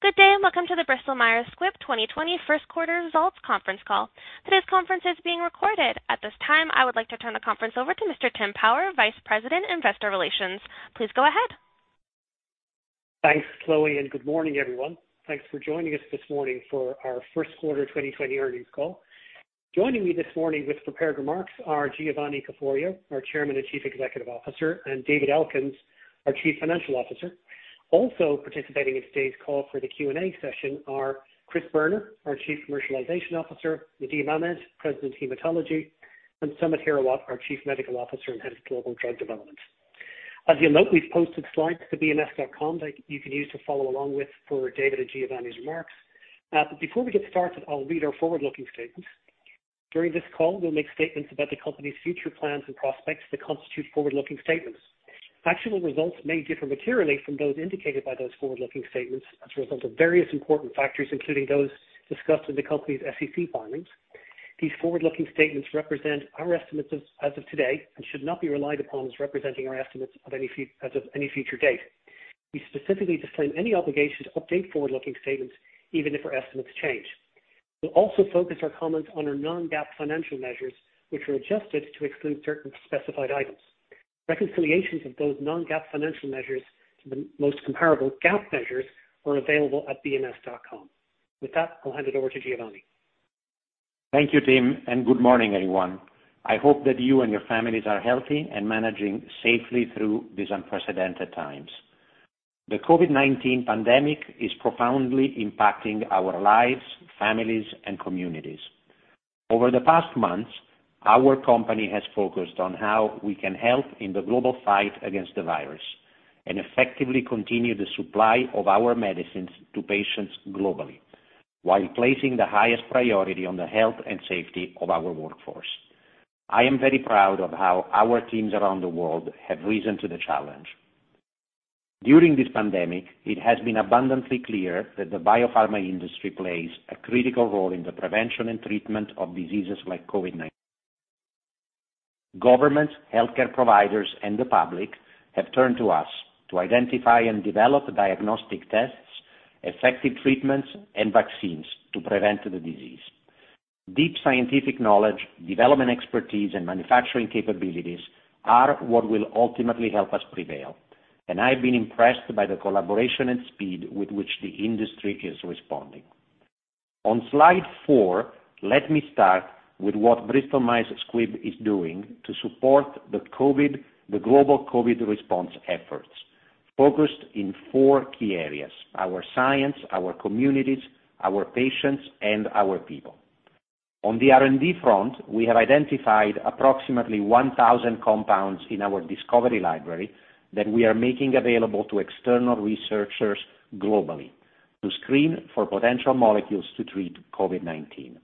Good day, welcome to the Bristol Myers Squibb 2020 first quarter results conference call. Today's conference is being recorded. At this time, I would like to turn the conference over to Mr. Tim Power, Vice President, Investor Relations. Please go ahead. Thanks, Chloe. Good morning, everyone. Thanks for joining us this morning for our first quarter 2020 earnings call. Joining me this morning with prepared remarks are Giovanni Caforio, our Chairman and Chief Executive Officer, and David Elkins, our Chief Financial Officer. Also participating in today's call for the Q&A session are Christopher Boerner, our Chief Commercialization Officer, Nadim Ahmed, President of Hematology, and Samit Hirawat, our Chief Medical Officer and Head of Global Drug Development. As you'll note, we've posted slides to bms.com that you can use to follow along with for David and Giovanni's remarks. Before we get started, I'll read our forward-looking statement. During this call, we'll make statements about the company's future plans and prospects that constitute forward-looking statements. Actual results may differ materially from those indicated by those forward-looking statements as a result of various important factors, including those discussed in the company's SEC filings. These forward-looking statements represent our estimates as of today and should not be relied upon as representing our estimates as of any future date. We specifically disclaim any obligation to update forward-looking statements, even if our estimates change. We'll also focus our comments on our non-GAAP financial measures, which are adjusted to exclude certain specified items. Reconciliations of those non-GAAP financial measures to the most comparable GAAP measures are available at bms.com. With that, I'll hand it over to Giovanni. Thank you, Tim, and good morning, everyone. I hope that you and your families are healthy and managing safely through these unprecedented times. The COVID-19 pandemic is profoundly impacting our lives, families, and communities. Over the past months, our company has focused on how we can help in the global fight against the virus and effectively continue the supply of our medicines to patients globally while placing the highest priority on the health and safety of our workforce. I am very proud of how our teams around the world have risen to the challenge. During this pandemic, it has been abundantly clear that the biopharma industry plays a critical role in the prevention and treatment of diseases like COVID-19. Governments, healthcare providers, and the public have turned to us to identify and develop diagnostic tests, effective treatments, and vaccines to prevent the disease. Deep scientific knowledge, development expertise, and manufacturing capabilities are what will ultimately help us prevail, and I've been impressed by the collaboration and speed with which the industry is responding. On slide four, let me start with what Bristol Myers Squibb is doing to support the global COVID-19 response efforts, focused in four key areas, our science, our communities, our patients, and our people. On the R&D front, we have identified approximately 1,000 compounds in our discovery library that we are making available to external researchers globally to screen for potential molecules to treat COVID-19.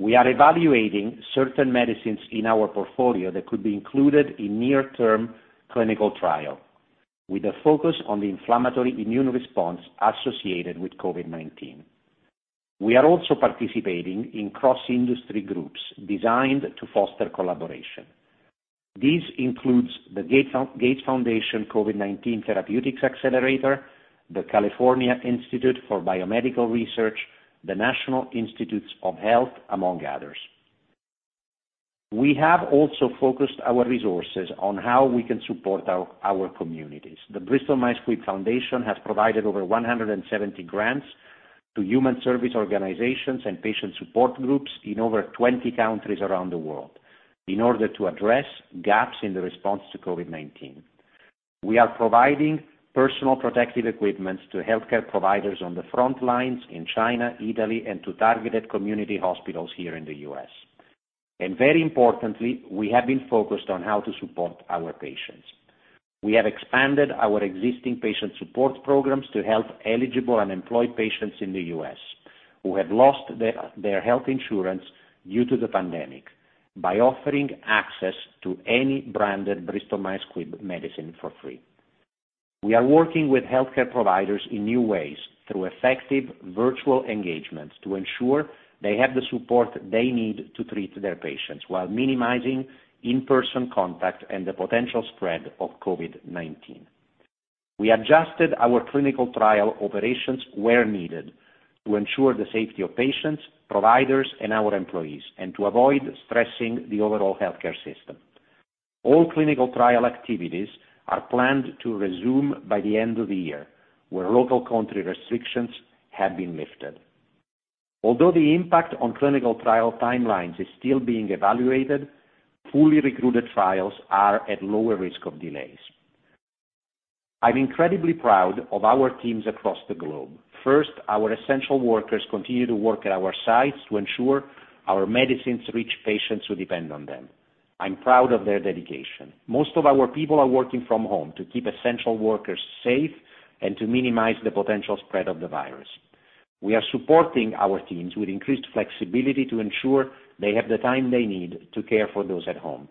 We are evaluating certain medicines in our portfolio that could be included in near-term clinical trial with a focus on the inflammatory immune response associated with COVID-19. We are also participating in cross-industry groups designed to foster collaboration. These include the Gates Foundation COVID-19 Therapeutics Accelerator, the California Institute for Biomedical Research, the National Institutes of Health, among others. We have also focused our resources on how we can support our communities. The Bristol Myers Squibb Foundation has provided over 170 grants to human service organizations and patient support groups in over 20 countries around the world in order to address gaps in the response to COVID-19. We are providing personal protective equipment to healthcare providers on the front lines in China, Italy, and to targeted community hospitals here in the U.S. Very importantly, we have been focused on how to support our patients. We have expanded our existing patient support programs to help eligible unemployed patients in the U.S. who have lost their health insurance due to the pandemic by offering access to any branded Bristol Myers Squibb medicine for free. We are working with healthcare providers in new ways through effective virtual engagements to ensure they have the support they need to treat their patients while minimizing in-person contact and the potential spread of COVID-19. We adjusted our clinical trial operations where needed to ensure the safety of patients, providers, and our employees and to avoid stressing the overall healthcare system. All clinical trial activities are planned to resume by the end of the year where local country restrictions have been lifted. Although the impact on clinical trial timelines is still being evaluated, fully recruited trials are at lower risk of delays. I'm incredibly proud of our teams across the globe. First, our essential workers continue to work at our sites to ensure our medicines reach patients who depend on them. I'm proud of their dedication. Most of our people are working from home to keep essential workers safe and to minimize the potential spread of the virus. We are supporting our teams with increased flexibility to ensure they have the time they need to care for those at home.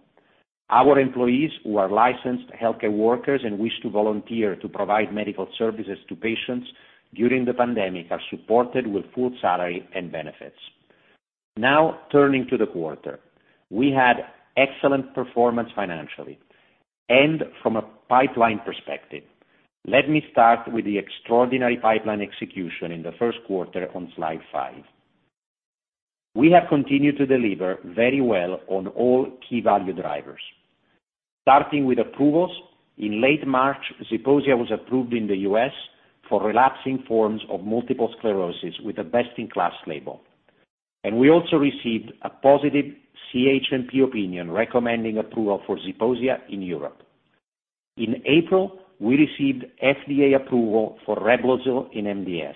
Our employees who are licensed healthcare workers and wish to volunteer to provide medical services to patients during the pandemic are supported with full salary and benefits. Now turning to the quarter. We had excellent performance financially and from a pipeline perspective. Let me start with the extraordinary pipeline execution in the first quarter on slide five. We have continued to deliver very well on all key value drivers. Starting with approvals, in late March, Zeposia was approved in the U.S. for relapsing forms of multiple sclerosis with a best-in-class label. We also received a positive CHMP opinion recommending approval for Zeposia in Europe. In April, we received FDA approval for Reblozyl in MDS.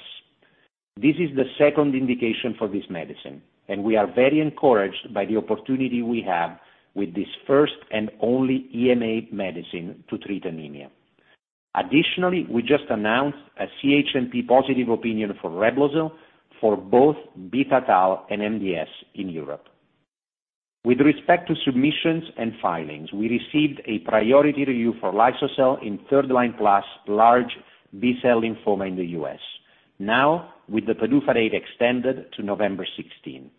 This is the second indication for this medicine. We are very encouraged by the opportunity we have with this first and only EMA medicine to treat anemia. Additionally, we just announced a CHMP positive opinion for Reblozyl for both beta-thalassemia and MDS in Europe. With respect to submissions and filings, we received a priority review for liso-cel in third-line plus large B-cell lymphoma in the U.S., now with the PDUFA date extended to November 16.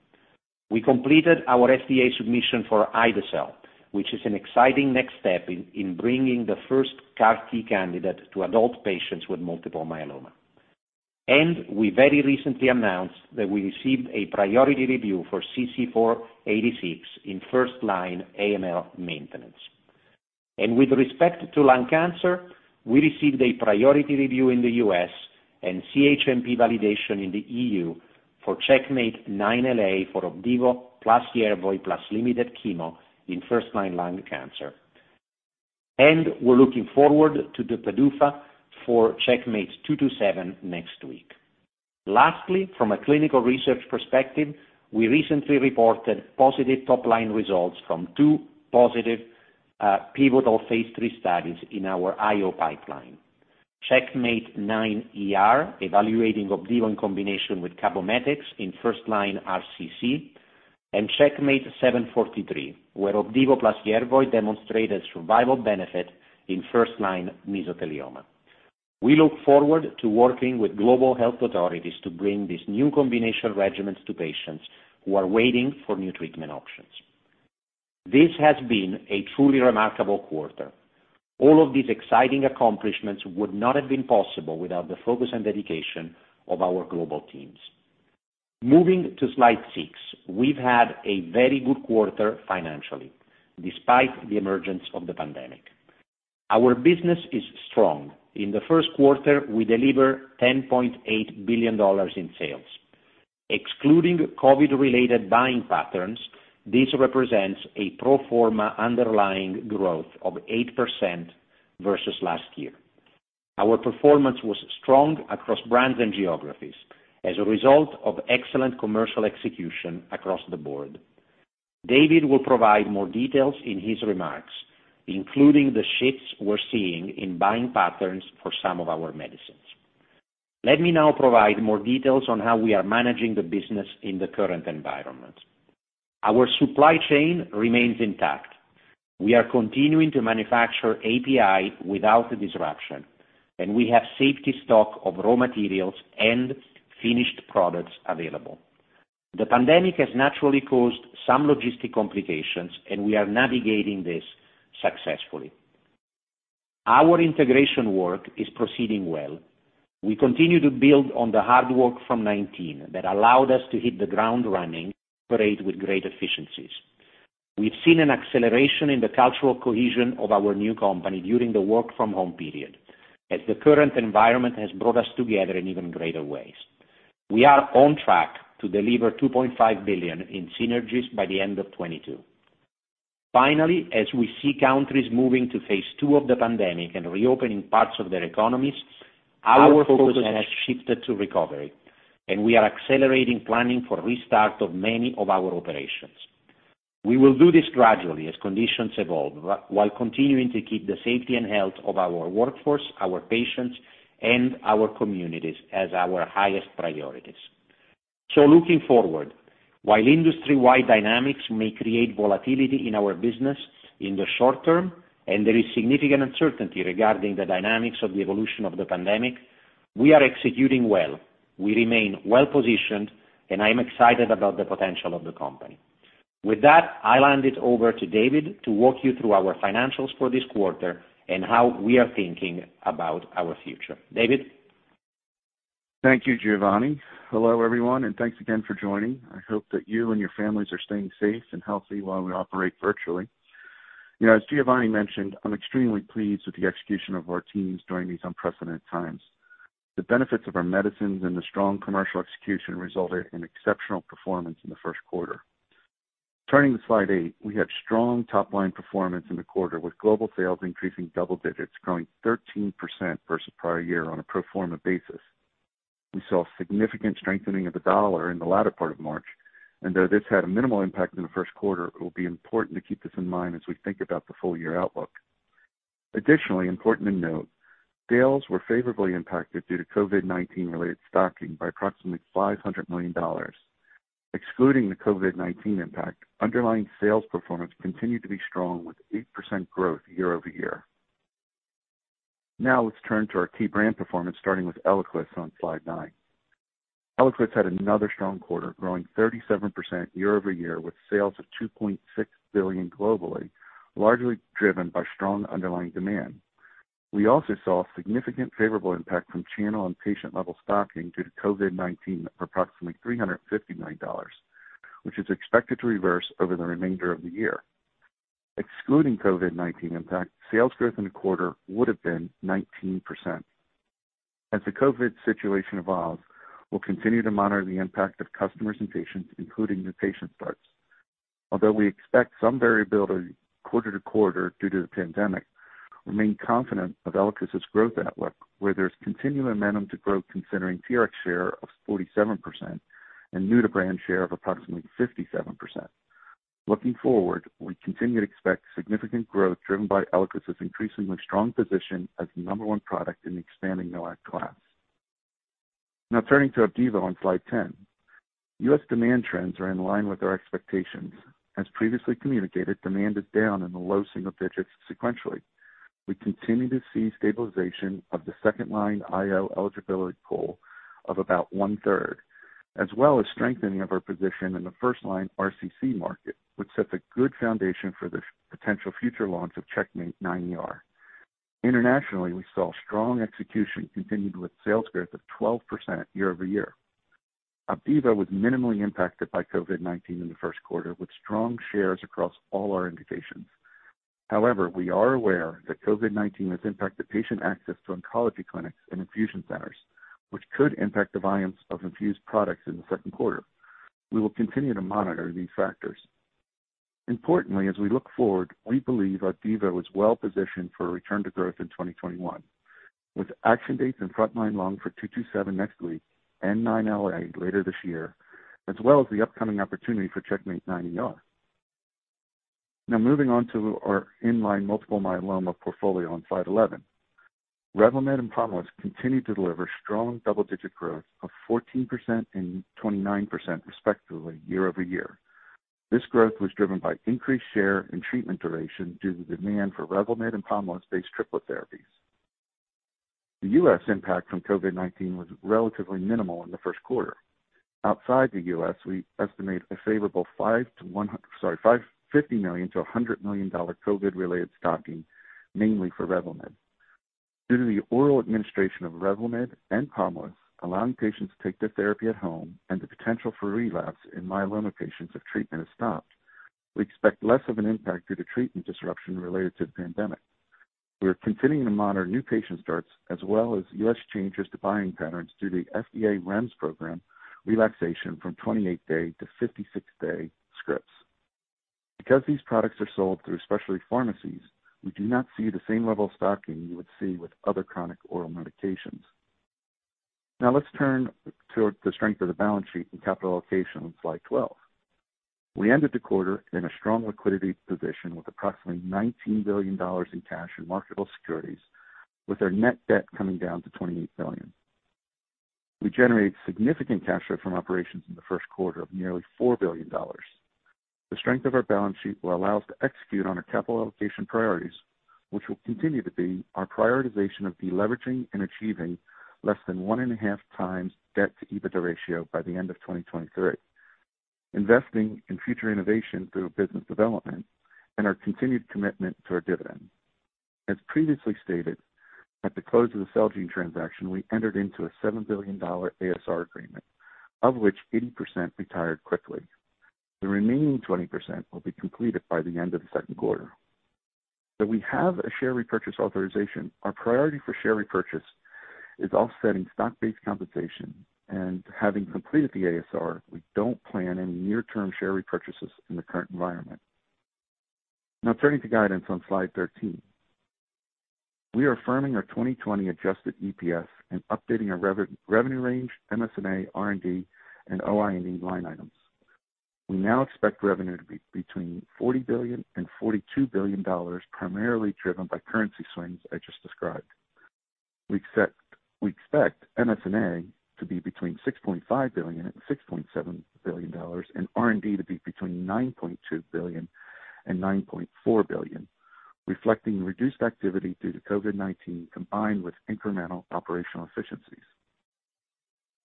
We completed our FDA submission for ide-cel, which is an exciting next step in bringing the first CAR T candidate to adult patients with multiple myeloma. We very recently announced that we received a priority review for CC486 in first-line AML maintenance. With respect to lung cancer, we received a priority review in the U.S. and CHMP validation in the EU for CheckMate-9LA for Opdivo, plus Yervoy, plus limited chemo in first-line lung cancer. We're looking forward to the PDUFA for CheckMate-227 next week. Lastly, from a clinical research perspective, we recently reported positive top-line results from two positive pivotal phase III studies in our IO pipeline. CheckMate-9ER evaluating Opdivo in combination with Cabometyx in first-line RCC, and CheckMate-743, where Opdivo plus Yervoy demonstrated survival benefit in first-line mesothelioma. We look forward to working with global health authorities to bring these new combination regimens to patients who are waiting for new treatment options. This has been a truly remarkable quarter. All of these exciting accomplishments would not have been possible without the focus and dedication of our global teams. Moving to slide six, we've had a very good quarter financially despite the emergence of the pandemic. Our business is strong. In the first quarter, we delivered $10.8 billion in sales. Excluding COVID-related buying patterns, this represents a pro forma underlying growth of 8% versus last year. Our performance was strong across brands and geographies as a result of excellent commercial execution across the board. David will provide more details in his remarks, including the shifts we're seeing in buying patterns for some of our medicines. Let me now provide more details on how we are managing the business in the current environment. Our supply chain remains intact. We are continuing to manufacture API without a disruption, and we have safety stock of raw materials and finished products available. The pandemic has naturally caused some logistic complications, and we are navigating this successfully. Our integration work is proceeding well. We continue to build on the hard work from 2019 that allowed us to hit the ground running, operate with great efficiencies. We've seen an acceleration in the cultural cohesion of our new company during the work-from-home period, as the current environment has brought us together in even greater ways. We are on track to deliver $2.5 billion in synergies by the end of 2022. As we see countries moving to phase two of the pandemic and reopening parts of their economies, our focus has shifted to recovery. We are accelerating planning for restart of many of our operations. We will do this gradually as conditions evolve, while continuing to keep the safety and health of our workforce, our patients, and our communities as our highest priorities. Looking forward, while industry-wide dynamics may create volatility in our business in the short term, and there is significant uncertainty regarding the dynamics of the evolution of the pandemic, we are executing well. We remain well-positioned, and I am excited about the potential of the company. With that, I will hand it over to David to walk you through our financials for this quarter and how we are thinking about our future. David? Thank you, Giovanni. Hello, everyone, and thanks again for joining. I hope that you and your families are staying safe and healthy while we operate virtually. As Giovanni mentioned, I'm extremely pleased with the execution of our teams during these unprecedented times. The benefits of our medicines and the strong commercial execution resulted in exceptional performance in the first quarter. Turning to slide eight, we had strong top-line performance in the quarter with global sales increasing double digits, growing 13% versus prior year on a pro forma basis. We saw significant strengthening of the dollar in the latter part of March, and though this had a minimal impact in the first quarter, it will be important to keep this in mind as we think about the full-year outlook. Additionally, important to note, sales were favorably impacted due to COVID-19-related stocking by approximately $500 million. Excluding the COVID-19 impact, underlying sales performance continued to be strong with 8% growth year-over-year. Let's turn to our key brand performance, starting with ELIQUIS on slide nine. ELIQUIS had another strong quarter, growing 37% year-over-year with sales of $2.6 billion globally, largely driven by strong underlying demand. We also saw a significant favorable impact from channel and patient level stocking due to COVID-19 of approximately $359, which is expected to reverse over the remainder of the year. Excluding COVID-19 impact, sales growth in the quarter would've been 19%. As the COVID situation evolves, we'll continue to monitor the impact of customers and patients, including new patient starts. Although we expect some variability quarter-to-quarter due to the pandemic, remain confident of ELIQUIS's growth outlook where there's continued momentum to growth considering TRx share of 47% and new to brand share of approximately 57%. Looking forward, we continue to expect significant growth driven by ELIQUIS's increasingly strong position as the number one product in the expanding NOAC class. Now turning to OPDIVO on slide 10. U.S. demand trends are in line with our expectations. As previously communicated, demand is down in the low single digits sequentially. We continue to see stabilization of the second-line IO eligibility pool of about one-third, as well as strengthening of our position in the first-line RCC market, which sets a good foundation for the potential future launch of CheckMate -9ER. Internationally, we saw strong execution continued with sales growth of 12% year-over-year. Opdivo was minimally impacted by COVID-19 in the first quarter, with strong shares across all our indications. However, we are aware that COVID-19 has impacted patient access to oncology clinics and infusion centers, which could impact the volumes of infused products in the second quarter. We will continue to monitor these factors. Importantly, as we look forward, we believe Opdivo is well-positioned for a return to growth in 2021. With action dates and front-line lung for CheckMate -227 next week, and CheckMate -9LA later this year, as well as the upcoming opportunity for CheckMate -9ER. Now moving on to our in-line multiple myeloma portfolio on slide 11. REVLIMID and POMALYST continued to deliver strong double-digit growth of 14% and 29% respectively year over year. This growth was driven by increased share and treatment duration due to demand for REVLIMID and POMALYST-based triple therapies. The U.S. impact from COVID-19 was relatively minimal in the first quarter. Outside the U.S., we estimate a favorable $50 million to $100 million COVID-related stocking, mainly for REVLIMID. Due to the oral administration of REVLIMID and POMALYST, allowing patients to take their therapy at home and the potential for relapse in myeloma patients if treatment is stopped, we expect less of an impact due to treatment disruption related to the pandemic. We're continuing to monitor new patient starts as well as U.S. changes to buying patterns through the FDA REMS program relaxation from 28-day to 56-day scripts. Because these products are sold through specialty pharmacies, we do not see the same level of stocking you would see with other chronic oral medications. Let's turn to the strength of the balance sheet and capital allocation on slide twelve. We ended the quarter in a strong liquidity position with approximately $19 billion in cash and marketable securities, with our net debt coming down to $28 billion. We generated significant cash flow from operations in the first quarter of nearly $4 billion. The strength of our balance sheet will allow us to execute on our capital allocation priorities, which will continue to be our prioritization of deleveraging and achieving less than one and a half times debt to EBITDA ratio by the end of 2023, investing in future innovation through business development and our continued commitment to our dividend. As previously stated, at the close of the Celgene transaction, we entered into a $7 billion ASR agreement, of which 80% retired quickly. The remaining 20% will be completed by the end of the second quarter. Though we have a share repurchase authorization, our priority for share repurchase is offsetting stock-based compensation, and having completed the ASR, we don't plan any near-term share repurchases in the current environment. Turning to guidance on slide 13. We are affirming our 2020 adjusted EPS and updating our revenue range, MS&A, R&D, and OI&E line items. We now expect revenue to be between $40 billion and $42 billion, primarily driven by currency swings I just described. We expect MS&A to be between $6.5 billion and $6.7 billion and R&D to be between $9.2 billion and $9.4 billion, reflecting reduced activity due to COVID-19 combined with incremental operational efficiencies.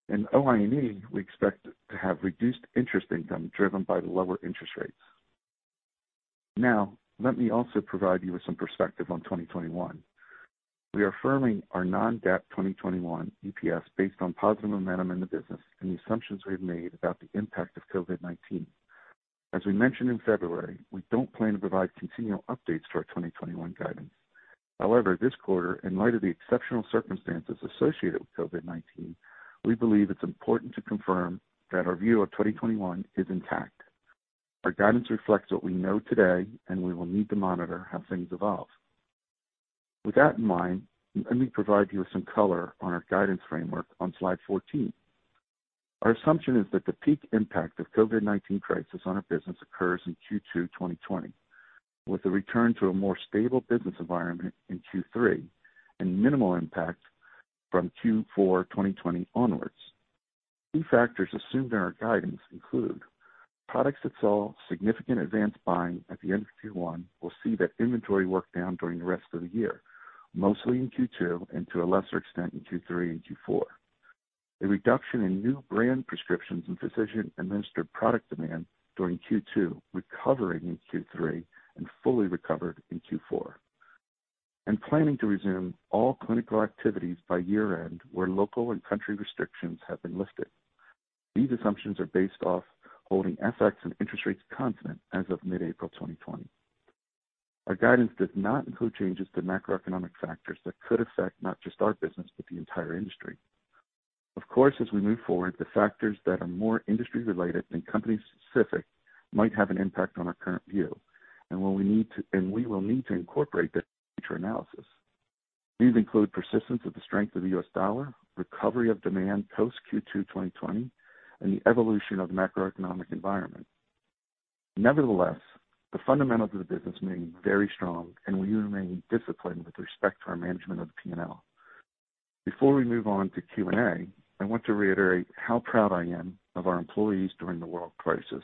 In OI&E, we expect to have reduced interest income driven by the lower interest rates. Let me also provide you with some perspective on 2021. We are affirming our non-GAAP 2021 EPS based on positive momentum in the business and the assumptions we've made about the impact of COVID-19. As we mentioned in February, we don't plan to provide continual updates to our 2021 guidance. However, this quarter, in light of the exceptional circumstances associated with COVID-19, we believe it's important to confirm that our view of 2021 is intact. Our guidance reflects what we know today, and we will need to monitor how things evolve. With that in mind, let me provide you with some color on our guidance framework on slide 14. Our assumption is that the peak impact of COVID-19 crisis on our business occurs in Q2 2020, with a return to a more stable business environment in Q3 and minimal impact from Q4 2020 onwards. Key factors assumed in our guidance include products that saw significant advance buying at the end of Q1 will see that inventory work down during the rest of the year, mostly in Q2 and to a lesser extent in Q3 and Q4. A reduction in new brand prescriptions and physician-administered product demand during Q2, recovering in Q3, and fully recovered in Q4. Planning to resume all clinical activities by year-end where local and country restrictions have been lifted. These assumptions are based off holding FX and interest rates constant as of mid-April 2020. Our guidance does not include changes to macroeconomic factors that could affect not just our business but the entire industry. Of course, as we move forward, the factors that are more industry-related than company-specific might have an impact on our current view, and we will need to incorporate this into future analysis. These include persistence of the strength of the US dollar, recovery of demand post Q2 2020, and the evolution of the macroeconomic environment. Nevertheless, the fundamentals of the business remain very strong, and we remain disciplined with respect to our management of the P&L. Before we move on to Q&A, I want to reiterate how proud I am of our employees during the world crisis.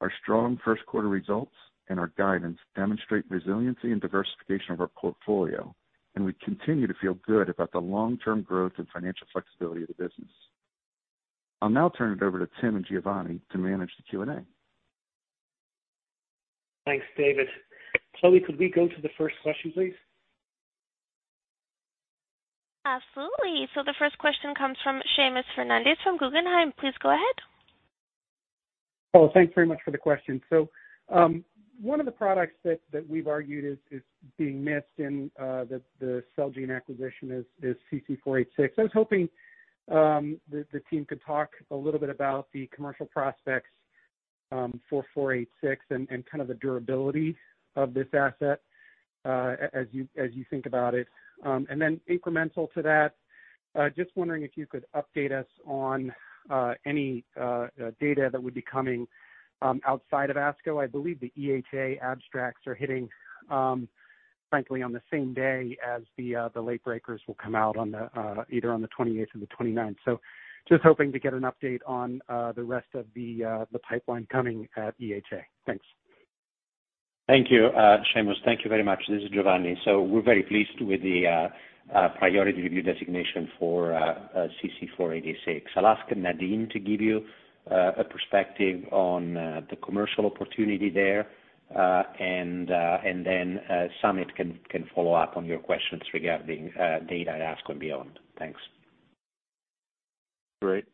Our strong first quarter results and our guidance demonstrate resiliency and diversification of our portfolio, and we continue to feel good about the long-term growth and financial flexibility of the business. I'll now turn it over to Tim and Giovanni to manage the Q&A. Thanks, David. Chloe, could we go to the first question, please? Absolutely. The first question comes from Seamus Fernandez from Guggenheim. Please go ahead. Oh, thanks very much for the question. One of the products that we've argued is being missed in the Celgene acquisition is CC486. I was hoping the team could talk a little bit about the commercial prospects, for 486 and kind of the durability of this asset as you think about it. Incremental to that, just wondering if you could update us on any data that would be coming outside of ASCO. I believe the EHA abstracts are hitting, frankly, on the same day as the late breakers will come out either on the 28th or the 29th. Just hoping to get an update on the rest of the pipeline coming at EHA. Thanks. Thank you, Seamus. Thank you very much. This is Giovanni. We're very pleased with the priority review designation for CC-486. I'll ask Nadim to give you a perspective on the commercial opportunity there, and then Samit can follow up on your questions regarding data at ASCO and beyond. Thanks. Great.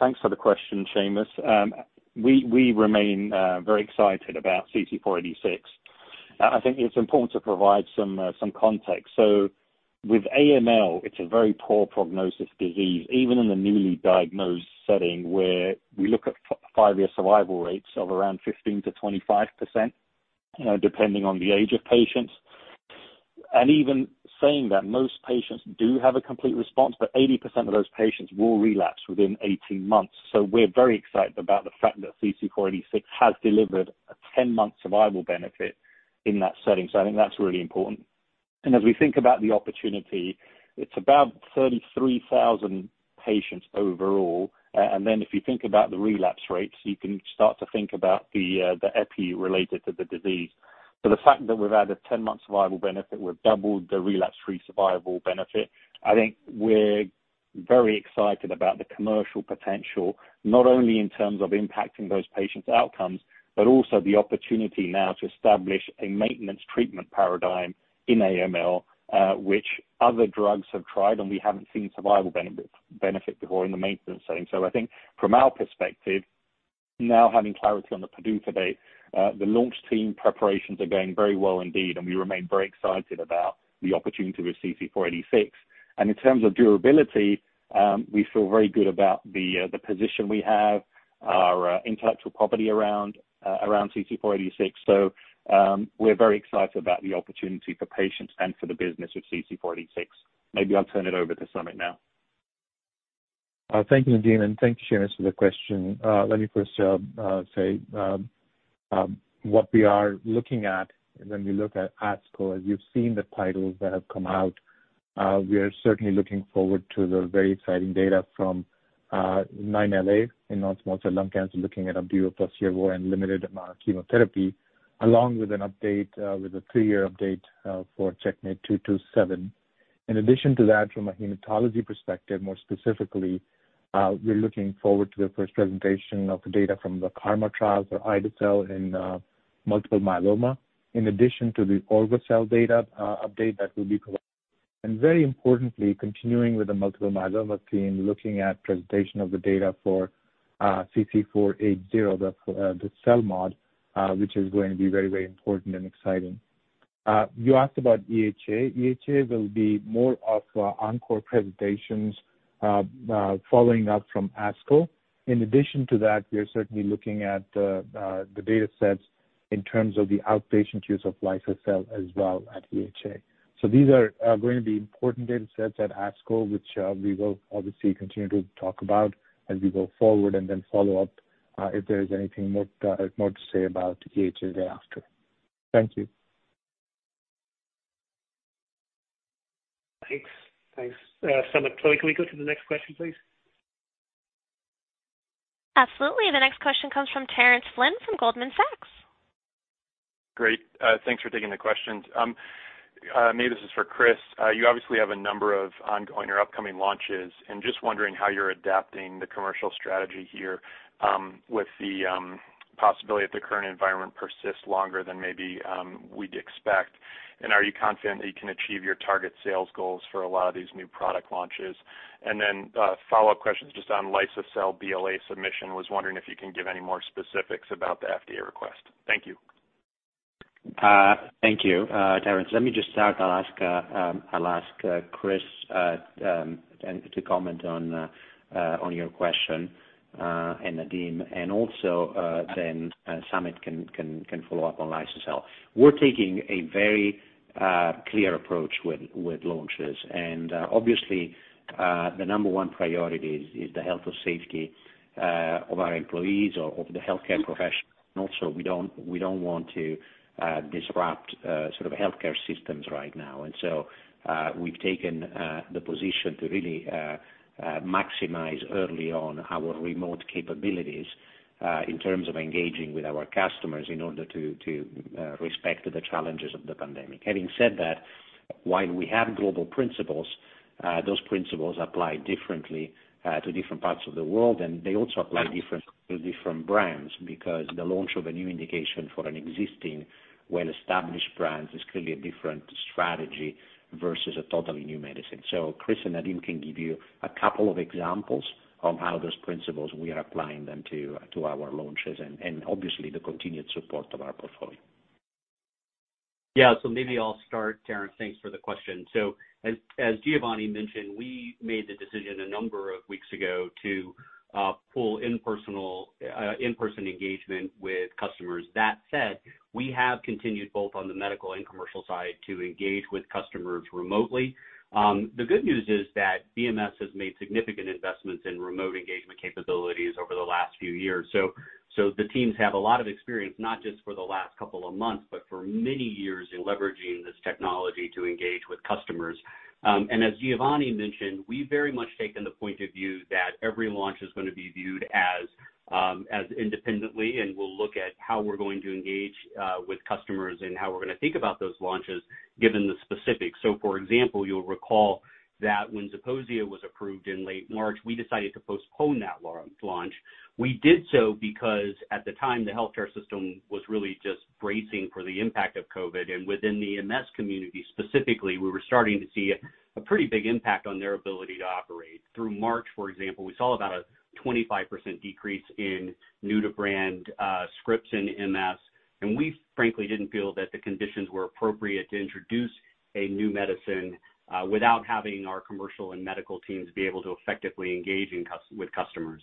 Thanks for the question, Seamus. We remain very excited about CC-486. I think it's important to provide some context. With AML, it's a very poor prognosis disease, even in the newly diagnosed setting, where we look at five-year survival rates of around 15%-25%, depending on the age of patients. Even saying that most patients do have a complete response, but 80% of those patients will relapse within 18 months. We're very excited about the fact that CC-486 has delivered a 10-month survival benefit in that setting. I think that's really important. As we think about the opportunity, it's about 33,000 patients overall. If you think about the relapse rates, you can start to think about the epi related to the disease. The fact that we've added 10-month survival benefit, we've doubled the relapse-free survival benefit. I think we're very excited about the commercial potential, not only in terms of impacting those patients' outcomes, but also the opportunity now to establish a maintenance treatment paradigm in AML, which other drugs have tried, and we haven't seen survival benefit before in the maintenance setting. I think from our perspective now having clarity on the PDUFA date, the launch team preparations are going very well indeed, and we remain very excited about the opportunity with CC-486. In terms of durability, we feel very good about the position we have, our intellectual property around CC-486. We're very excited about the opportunity for patients and for the business with CC-486. Maybe I'll turn it over to Samit now. Thank you, Nadim, and thank you, Seamus, for the question. Let me first say what we are looking at when we look at ASCO, as you've seen the titles that have come out. We are certainly looking forward to the very exciting data from CheckMate -9LA in non-small cell lung cancer, looking at Opdivo plus Yervoy and limited amount of chemotherapy, along with an update, with a three-year update, for CheckMate -227. In addition to that, from a hematology perspective, more specifically, we're looking forward to the first presentation of the data from the KarMMa trials for ide-cel in multiple myeloma, in addition to the liso-cel data update that will be provided. Very importantly, continuing with the multiple myeloma team, looking at presentation of the data for CC480, the CELMoD, which is going to be very important and exciting. You asked about EHA. EHA will be more of encore presentations following up from ASCO. In addition to that, we are certainly looking at the datasets in terms of the outpatient use of liso-cel as well at EHA. These are going to be important datasets at ASCO, which we will obviously continue to talk about as we go forward and then follow up if there is anything more to say about EHA thereafter. Thank you. Thanks. Samit. Chloe, can we go to the next question, please? Absolutely. The next question comes from Terence Flynn from Goldman Sachs. Great. Thanks for taking the questions. Maybe this is for Chris. Just wondering how you're adapting the commercial strategy here, with the possibility that the current environment persists longer than maybe we'd expect. Are you confident that you can achieve your target sales goals for a lot of these new product launches? Follow-up questions just on liso-cel BLA submission. Was wondering if you can give any more specifics about the FDA request. Thank you. Thank you, Terence. Let me just start. I'll ask Chris to comment on your question, and Nadim, and also, then Samit can follow up on liso-cel. We're taking a very clear approach with launches. Obviously, the number one priority is the health or safety of our employees or of the healthcare professional. Also, we don't want to disrupt sort of healthcare systems right now. We've taken the position to really maximize early on our remote capabilities, in terms of engaging with our customers in order to respect the challenges of the pandemic. Having said that, while we have global principles, those principles apply differently to different parts of the world, and they also apply differently to different brands, because the launch of a new indication for an existing well-established brand is clearly a different strategy versus a totally new medicine. Christopher and Nadim can give you a couple of examples of how those principles we are applying them to our launches and obviously the continued support of our portfolio. Maybe I'll start, Terence. Thanks for the question. As Giovanni mentioned, we made the decision a number of weeks ago to pull in-person engagement with customers. That said, we have continued both on the medical and commercial side to engage with customers remotely. The good news is that BMS has made significant investments in remote engagement capabilities over the last few years. The teams have a lot of experience, not just for the last couple of months, but for many years in leveraging this technology to engage with customers. As Giovanni mentioned, we've very much taken the point of view that every launch is going to be viewed as independently, and we'll look at how we're going to engage with customers and how we're going to think about those launches given the specifics. For example, you'll recall that when ZEPOSIA was approved in late March, we decided to postpone that launch. We did so because at the time, the healthcare system was really just bracing for the impact of COVID, and within the MS community specifically, we were starting to see a pretty big impact on their ability to operate. Through March, for example, we saw about a 25% decrease in new-to-brand scripts in MS, and we frankly didn't feel that the conditions were appropriate to introduce a new medicine without having our commercial and medical teams be able to effectively engage with customers.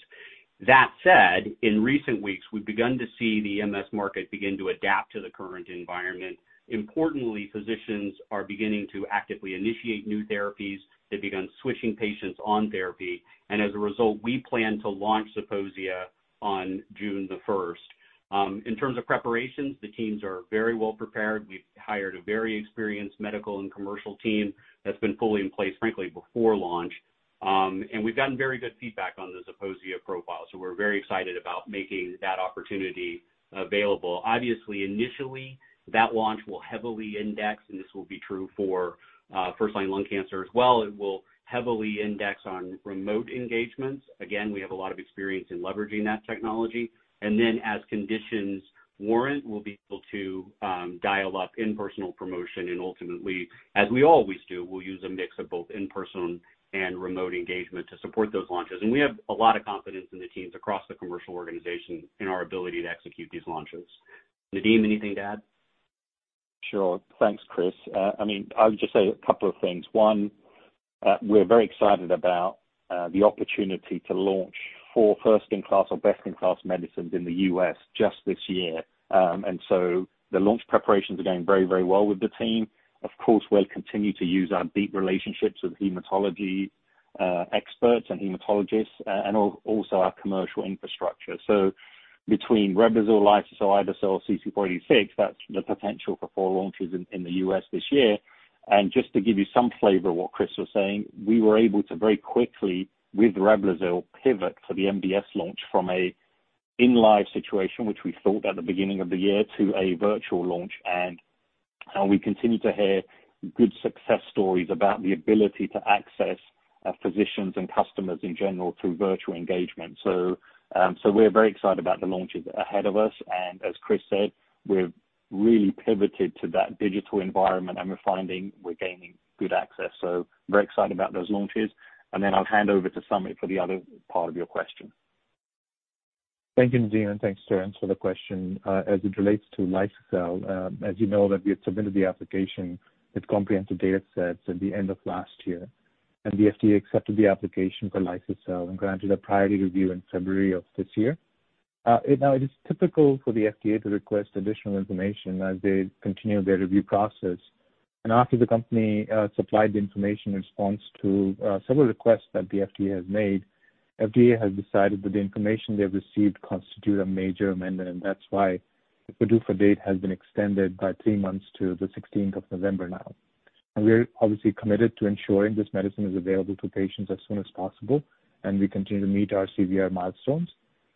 That said, in recent weeks, we've begun to see the MS market begin to adapt to the current environment. Importantly, physicians are beginning to actively initiate new therapies. They've begun switching patients on therapy, and as a result, we plan to launch ZEPOSIA on June the 1st. In terms of preparations, the teams are very well prepared. We've hired a very experienced medical and commercial team that's been fully in place, frankly, before launch. We've gotten very good feedback on the ZEPOSIA profile. We're very excited about making that opportunity available. Obviously, initially, that launch will heavily index. This will be true for first-line lung cancer as well. It will heavily index on remote engagements. Again, we have a lot of experience in leveraging that technology. As conditions warrant, we'll be able to dial up in-personal promotion, and ultimately, as we always do, we'll use a mix of both in-person and remote engagement to support those launches. We have a lot of confidence in the teams across the commercial organization in our ability to execute these launches. Nadim, anything to add? Sure. Thanks, Christopher. I would just say a couple of things. One, we're very excited about the opportunity to launch four first-in-class or best-in-class medicines in the U.S. just this year. The launch preparations are going very, very well with the team. Of course, we'll continue to use our deep relationships with hematology experts and hematologists, and also our commercial infrastructure. Between REBLOZYL, liso-cel, ide-cel, CC-486, that's the potential for 4 launches in the U.S. this year. To give you some flavor of what Chris was saying, we were able to very quickly with REBLOZYL pivot for the MDS launch from a in-live situation, which we thought at the beginning of the year, to a virtual launch. We continue to hear good success stories about the ability to access physicians and customers in general through virtual engagement. We're very excited about the launches ahead of us. As Christopher said, we've really pivoted to that digital environment, and we're finding we're gaining good access. Very excited about those launches. Then I'll hand over to Samit for the other part of your question. Thank you, Nadim, and thanks, Terence, for the question. As it relates to liso-cel, as you know that we had submitted the application with comprehensive data sets at the end of last year. The FDA accepted the application for liso-cel and granted a priority review in February of this year. Now it is typical for the FDA to request additional information as they continue their review process. After the company supplied the information in response to several requests that the FDA has made. FDA has decided that the information they've received constitutes a major amendment, that's why the PDUFA date has been extended by three months to the 16th of November now. We're obviously committed to ensuring this medicine is available to patients as soon as possible, and we continue to meet our CVR milestones.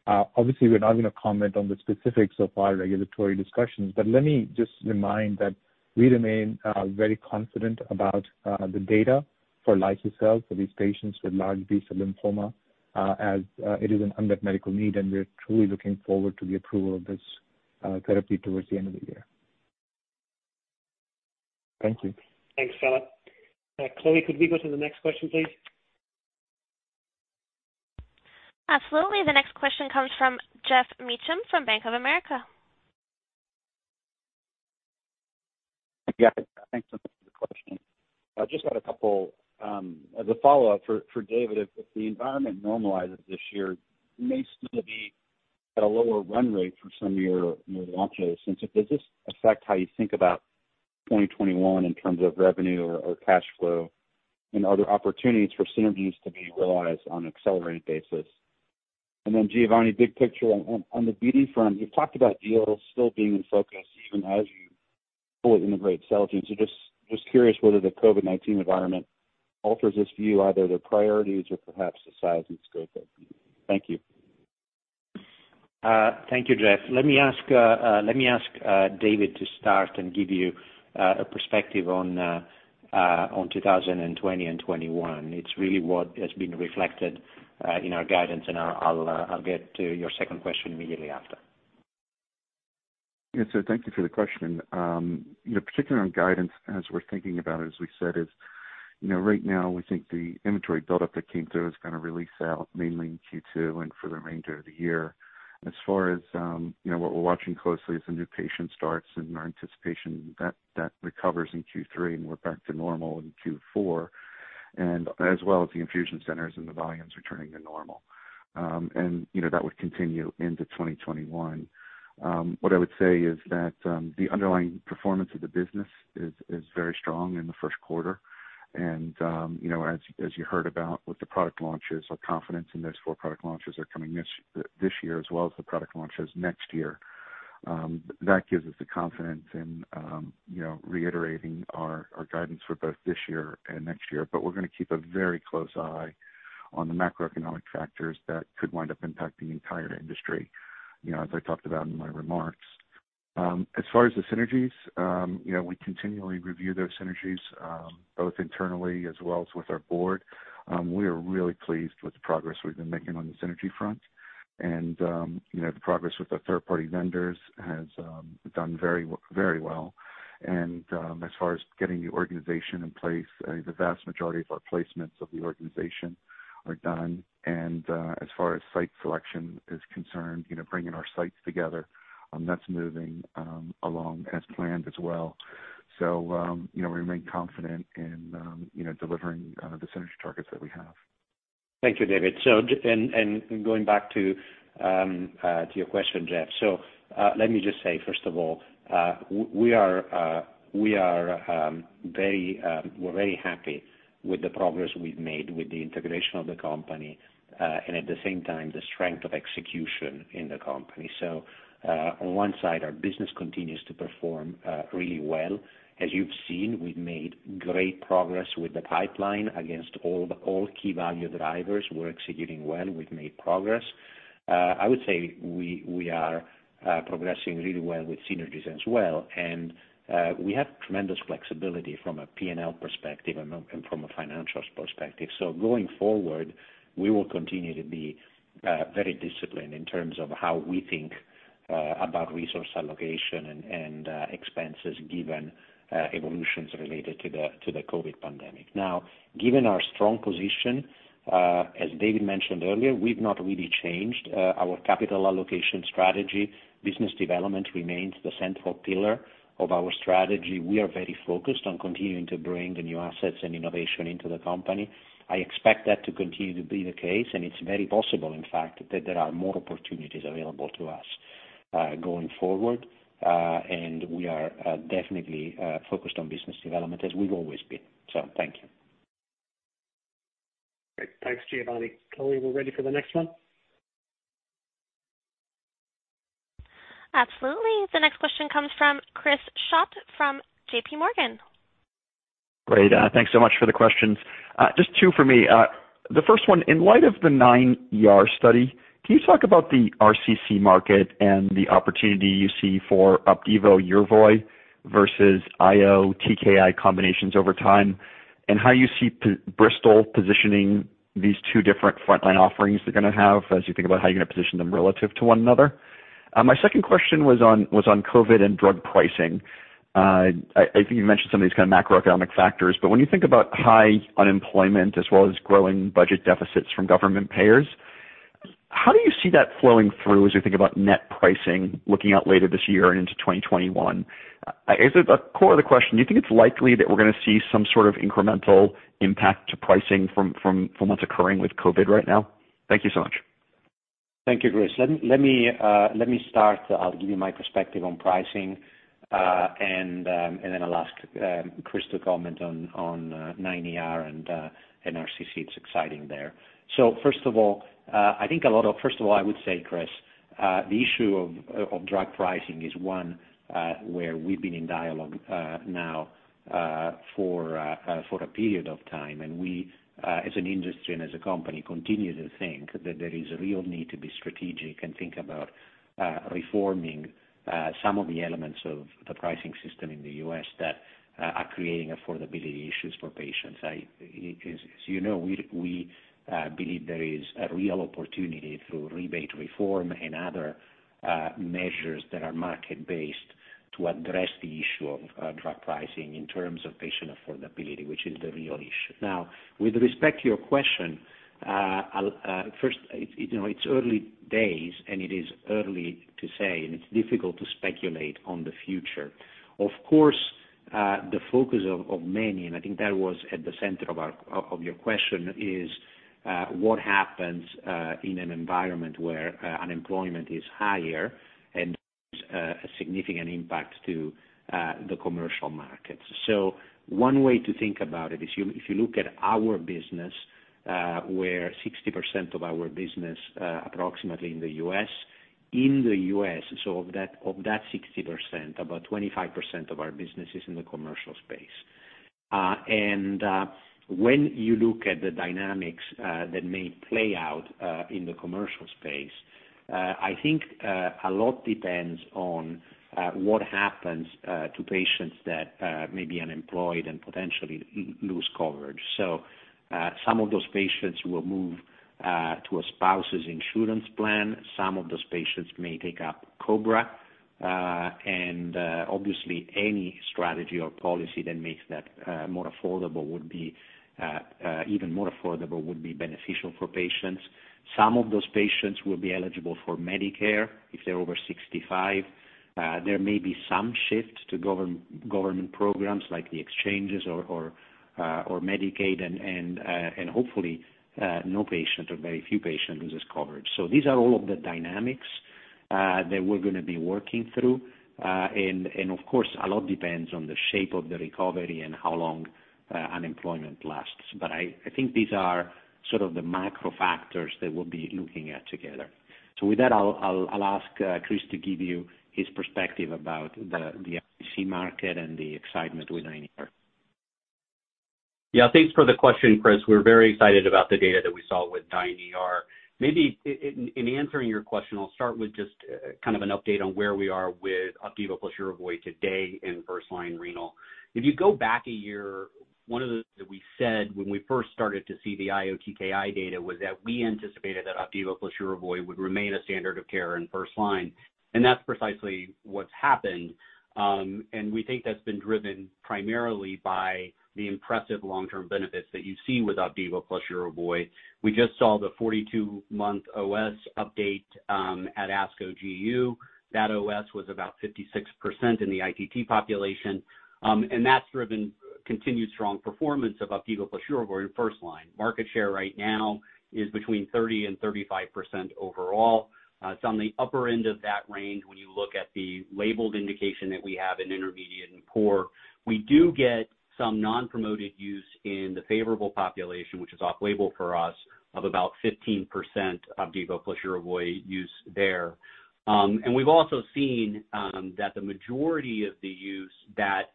Obviously, we're not going to comment on the specifics of our regulatory discussions, let me just remind that we remain very confident about the data for liso-cel for these patients with large B-cell lymphoma, as it is an unmet medical need. We are truly looking forward to the approval of this therapy towards the end of the year. Thank you. Thanks, Terence. Chloe, could we go to the next question, please? Absolutely. The next question comes from Geoff Meacham from Bank of America. Yeah. Thanks so much for the question. I've just got a couple as a follow-up for David. If the environment normalizes this year, you may still be at a lower run rate for some of your launches. Does this affect how you think about 2021 in terms of revenue or cash flow and other opportunities for synergies to be realized on an accelerated basis? Giovanni, big picture on the BD front, you've talked about deals still being in focus even as you fully integrate Celgene. Just curious whether the COVID-19 environment alters this view, either their priorities or perhaps the size and scope of BD. Thank you. Thank you, Geoff. Let me ask David to start and give you a perspective on 2020 and 2021. It's really what has been reflected in our guidance, and I'll get to your second question immediately after. Thank you for the question. Particularly on guidance, as we're thinking about it, as we said, right now we think the inventory buildup that came through is going to release out mainly in Q2 and for the remainder of the year. As far as what we're watching closely is the new patient starts and our anticipation that that recovers in Q3 and we're back to normal in Q4, and as well as the infusion centers and the volumes returning to normal. That would continue into 2021. What I would say is that the underlying performance of the business is very strong in the first quarter. As you heard about with the product launches, our confidence in those four product launches are coming this year as well as the product launches next year. That gives us the confidence in reiterating our guidance for both this year and next year. We're going to keep a very close eye on the macroeconomic factors that could wind up impacting the entire industry, as I talked about in my remarks. As far as the synergies, we continually review those synergies, both internally as well as with our board. We are really pleased with the progress we've been making on the synergy front. The progress with our third-party vendors has done very well. As far as getting the organization in place, the vast majority of our placements of the organization are done. As far as site selection is concerned, bringing our sites together, that's moving along as planned as well. We remain confident in delivering the synergy targets that we have. Thank you, David. Going back to your question, Geoff. Let me just say, first of all, we're very happy with the progress we've made with the integration of the company, and at the same time, the strength of execution in the company. On one side, our business continues to perform really well. As you've seen, we've made great progress with the pipeline against all key value drivers. We're executing well. We've made progress. I would say we are progressing really well with synergies as well. We have tremendous flexibility from a P&L perspective and from a financials perspective. Going forward, we will continue to be very disciplined in terms of how we think about resource allocation and expenses given evolutions related to the COVID-19 pandemic. Now, given our strong position, as David mentioned earlier, we've not really changed our capital allocation strategy. Business development remains the central pillar of our strategy. We are very focused on continuing to bring the new assets and innovation into the company. I expect that to continue to be the case. It's very possible, in fact, that there are more opportunities available to us going forward. We are definitely focused on business development as we've always been. Thank you. Great. Thanks, Giovanni. Chloe, we're ready for the next one. Absolutely. The next question comes from Chris Schott from J.P. Morgan. Great. Thanks so much for the questions. Just two for me. The first one, in light of the CheckMate -9ER study, can you talk about the RCC market and the opportunity you see for Opdivo Yervoy versus IO TKI combinations over time, and how you see Bristol-Myers Squibb positioning these two different frontline offerings they're going to have as you think about how you're going to position them relative to one another? My second question was on COVID and drug pricing. I think you mentioned some of these kind of macroeconomic factors. When you think about high unemployment as well as growing budget deficits from government payers, how do you see that flowing through as we think about net pricing looking out later this year and into 2021? A core other question, do you think it's likely that we're going to see some sort of incremental impact to pricing from what's occurring with COVID right now? Thank you so much. Thank you, Chris. Let me start. I'll give you my perspective on pricing, and then I'll ask Chris to comment on 9ER and RCC. It's exciting there. First of all, I would say, Chris, the issue of drug pricing is one where we've been in dialogue now for a period of time, and we, as an industry and as a company, continue to think that there is a real need to be strategic and think about reforming some of the elements of the pricing system in the U.S. that are creating affordability issues for patients. As you know, we believe there is a real opportunity through rebate reform and other measures that are market-based to address the issue of drug pricing in terms of patient affordability, which is the real issue. With respect to your question, first, it's early days, and it is early to say, and it's difficult to speculate on the future. The focus of many, and I think that was at the center of your question, is what happens in an environment where unemployment is higher and has a significant impact to the commercial markets. One way to think about it is if you look at our business, where 60% of our business approximately in the U.S. In the U.S., of that 60%, about 25% of our business is in the commercial space. When you look at the dynamics that may play out in the commercial space, I think a lot depends on what happens to patients that may be unemployed and potentially lose coverage. Some of those patients will move to a spouse's insurance plan, some of those patients may take up COBRA, and obviously, any strategy or policy that makes that even more affordable would be beneficial for patients. Some of those patients will be eligible for Medicare if they're over 65. There may be some shift to government programs like the exchanges or Medicaid, and hopefully no patient or very few patients loses coverage. These are all of the dynamics that we're going to be working through, and of course, a lot depends on the shape of the recovery and how long unemployment lasts. I think these are sort of the macro factors that we'll be looking at together. With that, I'll ask Chris to give you his perspective about the RCC market and the excitement with 9ER. Thanks for the question, Chris. We're very excited about the data that we saw with 9ER. In answering your question, I'll start with just kind of an update on where we are with Opdivo plus Yervoy today in first-line renal. If you go back a year, one of the things that we said when we first started to see the IO TKI data was that we anticipated that Opdivo plus Yervoy would remain a standard of care in first line. That's precisely what's happened. We think that's been driven primarily by the impressive long-term benefits that you see with Opdivo plus Yervoy. We just saw the 42-month OS update at ASCO GU. That OS was about 56% in the ITT population. That's driven continued strong performance of Opdivo plus Yervoy in first line. Market share right now is between 30% and 35% overall. It's on the upper end of that range when you look at the labeled indication that we have in intermediate and poor. We do get some non-promoted use in the favorable population, which is off label for us, of about 15% Opdivo plus Yervoy use there. We've also seen that the majority of the use that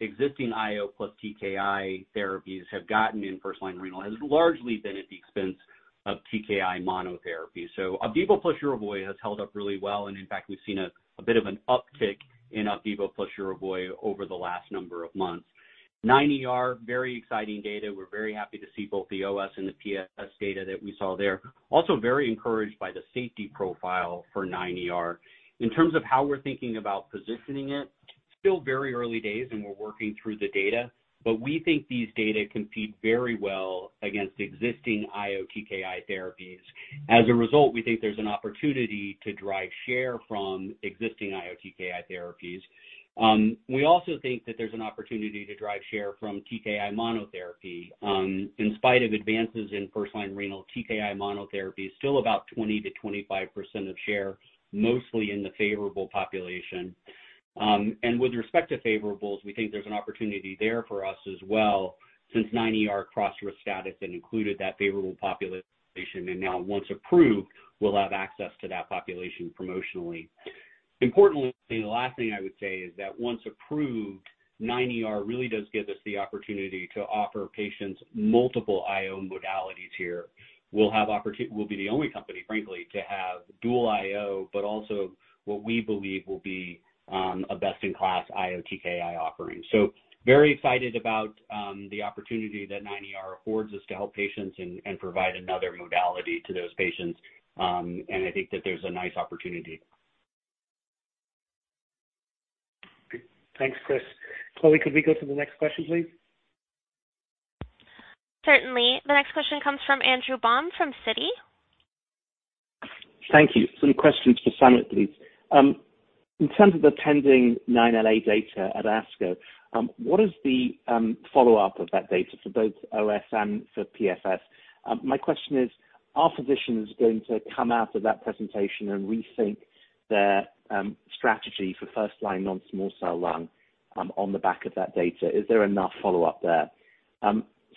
existing IO plus TKI therapies have gotten in first-line renal has largely been at the expense of TKI monotherapy. Opdivo plus Yervoy has held up really well. In fact, we've seen a bit of an uptick in Opdivo plus Yervoy over the last number of months. 9ER, very exciting data. We're very happy to see both the OS and the PFS data that we saw there. Also very encouraged by the safety profile for 9ER. In terms of how we're thinking about positioning it, still very early days, and we're working through the data, but we think these data compete very well against existing IO TKI therapies. As a result, we think there's an opportunity to drive share from existing IO TKI therapies. We also think that there's an opportunity to drive share from TKI monotherapy. In spite of advances in first-line renal TKI monotherapy is still about 20%-25% of share, mostly in the favorable population. With respect to favorables, we think there's an opportunity there for us as well since 9ER crossed risk status and included that favorable population, and now once approved, we'll have access to that population promotionally. Importantly, the last thing I would say is that once approved, 9ER really does give us the opportunity to offer patients multiple IO modalities here. We'll be the only company, frankly, to have dual IO, also what we believe will be a best-in-class IO TKI offering. Very excited about the opportunity that 9ER affords us to help patients and provide another modality to those patients. I think that there's a nice opportunity. Good. Thanks, Chris. Chloe, could we go to the next question, please? Certainly. The next question comes from Andrew Baum from Citi. Thank you. Some questions for Samit, please. In terms of the pending 9LA data at ASCO, what is the follow-up of that data for both OS and for PFS? My question is, are physicians going to come out of that presentation and rethink their strategy for first-line non-small cell lung on the back of that data? Is there enough follow-up there?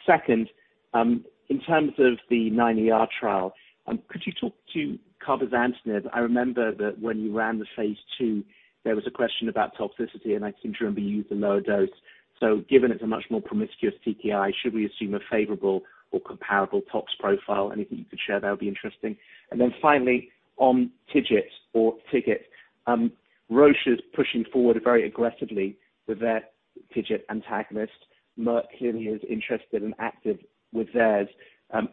Second, in terms of the 9ER trial, could you talk to cabozantinib? I remember that when you ran the phase II, there was a question about toxicity, and I can remember you used a lower dose. Given it's a much more promiscuous TKI, should we assume a favorable or comparable tox profile? Anything you could share there would be interesting. Finally, on TIGIT or TIGIT, Roche is pushing forward very aggressively with their TIGIT antagonist. Merck clearly is interested and active with theirs.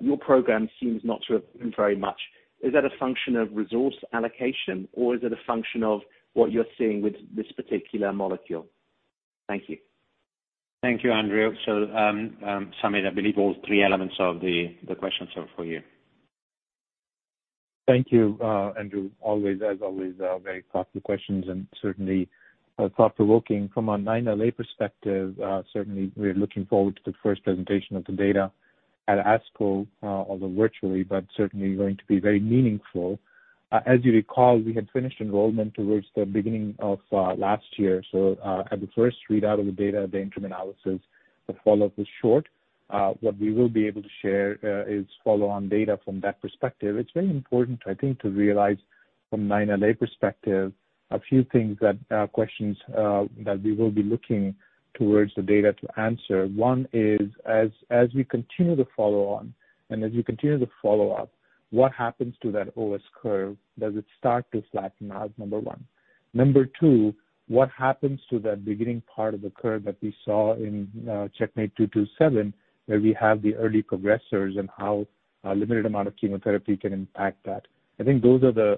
Your program seems not to have moved very much. Is that a function of resource allocation, or is it a function of what you're seeing with this particular molecule? Thank you. Thank you, Andrew. Samit, I believe all three elements of the question are for you. Thank you, Andrew. As always, very thoughtful questions and certainly thought-provoking. From a 9LA perspective, certainly we are looking forward to the first presentation of the data at ASCO, although virtually, but certainly going to be very meaningful. As you recall, we had finished enrollment towards the beginning of last year, at the first readout of the data, the interim analysis, the follow-up was short. What we will be able to share is follow-on data from that perspective. It's very important, I think, to realize from 9LA perspective a few things that questions that we will be looking towards the data to answer. One is, as we continue to follow on and as we continue to follow up, what happens to that OS curve? Does it start to flatten out? Number one. Number two, what happens to that beginning part of the curve that we saw in CheckMate -227, where we have the early progressers and how a limited amount of chemotherapy can impact that? I think those are the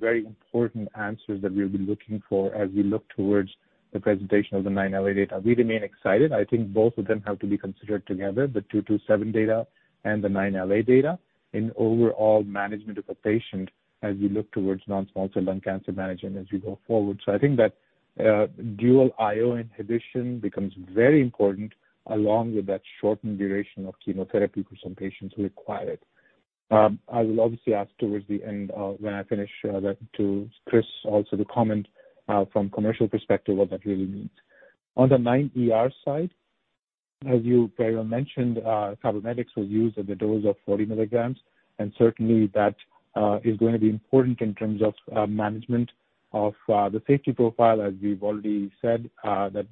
very important answers that we'll be looking for as we look towards the presentation of the 9LA data. We remain excited. I think both of them have to be considered together, the 227 data and the 9LA data, in overall management of a patient as we look towards non-small cell lung cancer management as we go forward. I think that dual IO inhibition becomes very important along with that shortened duration of chemotherapy for some patients who require it. I will obviously ask towards the end when I finish that to Chris also to comment from commercial perspective what that really means. On the 9ER side, as you very well mentioned, cabozantinib was used at the dose of 40 milligrams and certainly that is going to be important in terms of management of the safety profile. As we've already said, that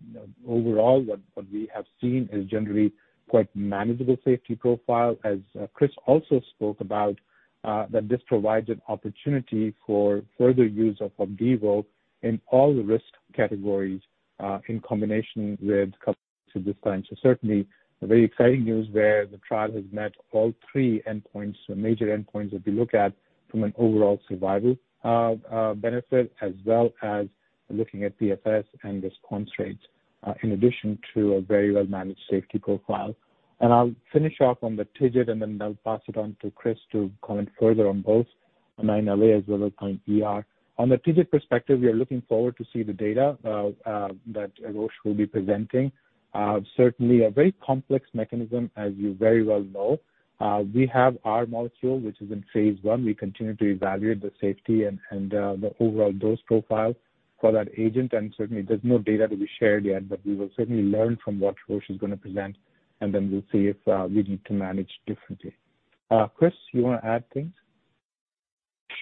overall what we have seen is generally quite manageable safety profile as Chris also spoke about that this provides an opportunity for further use of Opdivo in all the risk categories, in combination with cabozantinib. Certainly very exciting news there. The trial has met all three endpoints, major endpoints that we look at from an overall survival benefit as well as looking at PFS and response rates in addition to a very well-managed safety profile. I'll finish off on the TIGIT, and then I'll pass it on to Chris to comment further on both 9LA as well as 9ER. On the TIGIT perspective, we are looking forward to see the data that Roche will be presenting. Certainly a very complex mechanism, as you very well know. We have our molecule, which is in phase I. We continue to evaluate the safety and the overall dose profile for that agent. Certainly there's no data to be shared yet, but we will certainly learn from what Roche is going to present and then we'll see if we need to manage differently. Chris, you want to add things?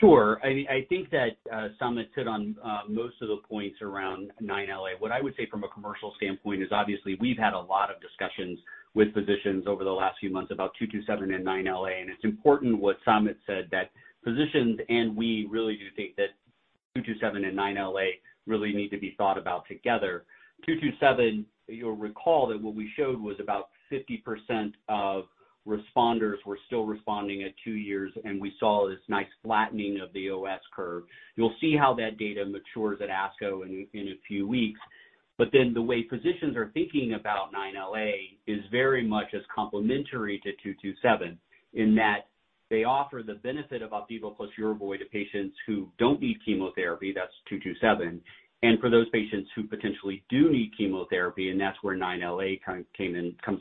Sure. I think that Samit hit on most of the points around 9LA. What I would say from a commercial standpoint is obviously we've had a lot of discussions with physicians over the last few months about 227 and 9LA. It's important what Samit said, that physicians and we really do think that 227 and 9LA really need to be thought about together. 227, you'll recall that what we showed was about 50% of responders were still responding at two years, and we saw this nice flattening of the OS curve. You'll see how that data matures at ASCO in a few weeks. The way physicians are thinking about 9LA is very much as complementary to 227 in that they offer the benefit of Opdivo plus Yervoy to patients who don't need chemotherapy, that's 227, and for those patients who potentially do need chemotherapy, that's where 9LA comes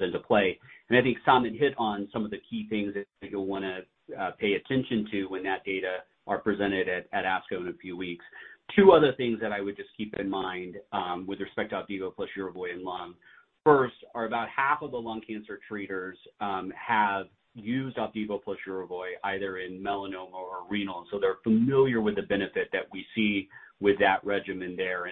into play. I think Samit hit on some of the key things that you'll want to pay attention to when that data are presented at ASCO in a few weeks. Two other things that I would just keep in mind with respect to Opdivo plus Yervoy in lung. First are about half of the lung cancer treaters have used Opdivo plus Yervoy either in melanoma or renal, so they're familiar with the benefit that we see with that regimen there.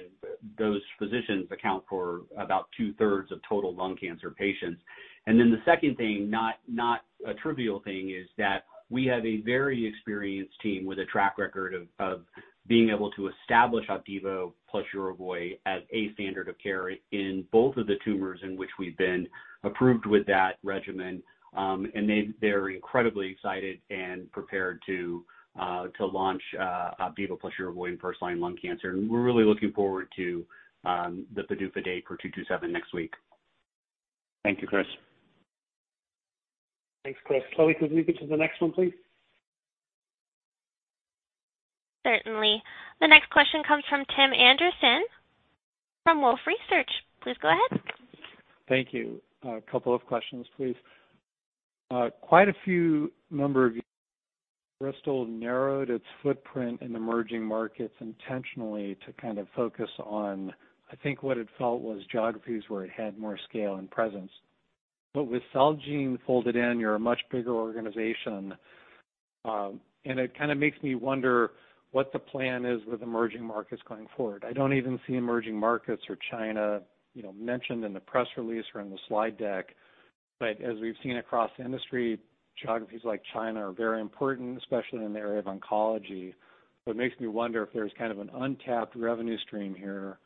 Those physicians account for about two-thirds of total lung cancer patients. The second thing, not a trivial thing, is that we have a very experienced team with a track record of being able to establish Opdivo plus Yervoy as a standard of care in both of the tumors in which we've been approved with that regimen. They're incredibly excited and prepared to launch Opdivo plus Yervoy in first-line lung cancer. We're really looking forward to the PDUFA date for 227 next week. Thank you, Chris. Thanks, Chris. Chloe, could we move to the next one, please? Certainly. The next question comes from Tim Anderson from Wolfe Research. Please go ahead. Thank you. A couple of questions, please. Quite a few number of you, Bristol narrowed its footprint in emerging markets intentionally to kind of focus on, I think what it felt was geographies where it had more scale and presence. With Celgene folded in, you're a much bigger organization. It kind of makes me wonder what the plan is with emerging markets going forward. I don't even see emerging markets or China mentioned in the press release or in the slide deck. As we've seen across the industry, geographies like China are very important, especially in the area of oncology. It makes me wonder if there's kind of an untapped revenue stream here,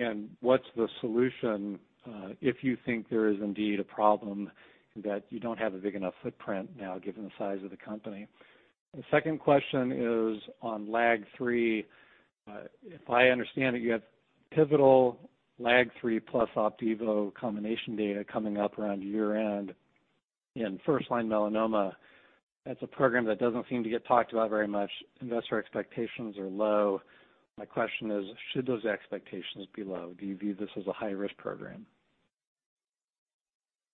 and what's the solution, if you think there is indeed a problem that you don't have a big enough footprint now, given the size of the company. The second question is on LAG-3. If I understand it, you have pivotal LAG-3 plus Opdivo combination data coming up around year-end in first-line melanoma. That's a program that doesn't seem to get talked about very much. Investor expectations are low. My question is, should those expectations be low? Do you view this as a high-risk program?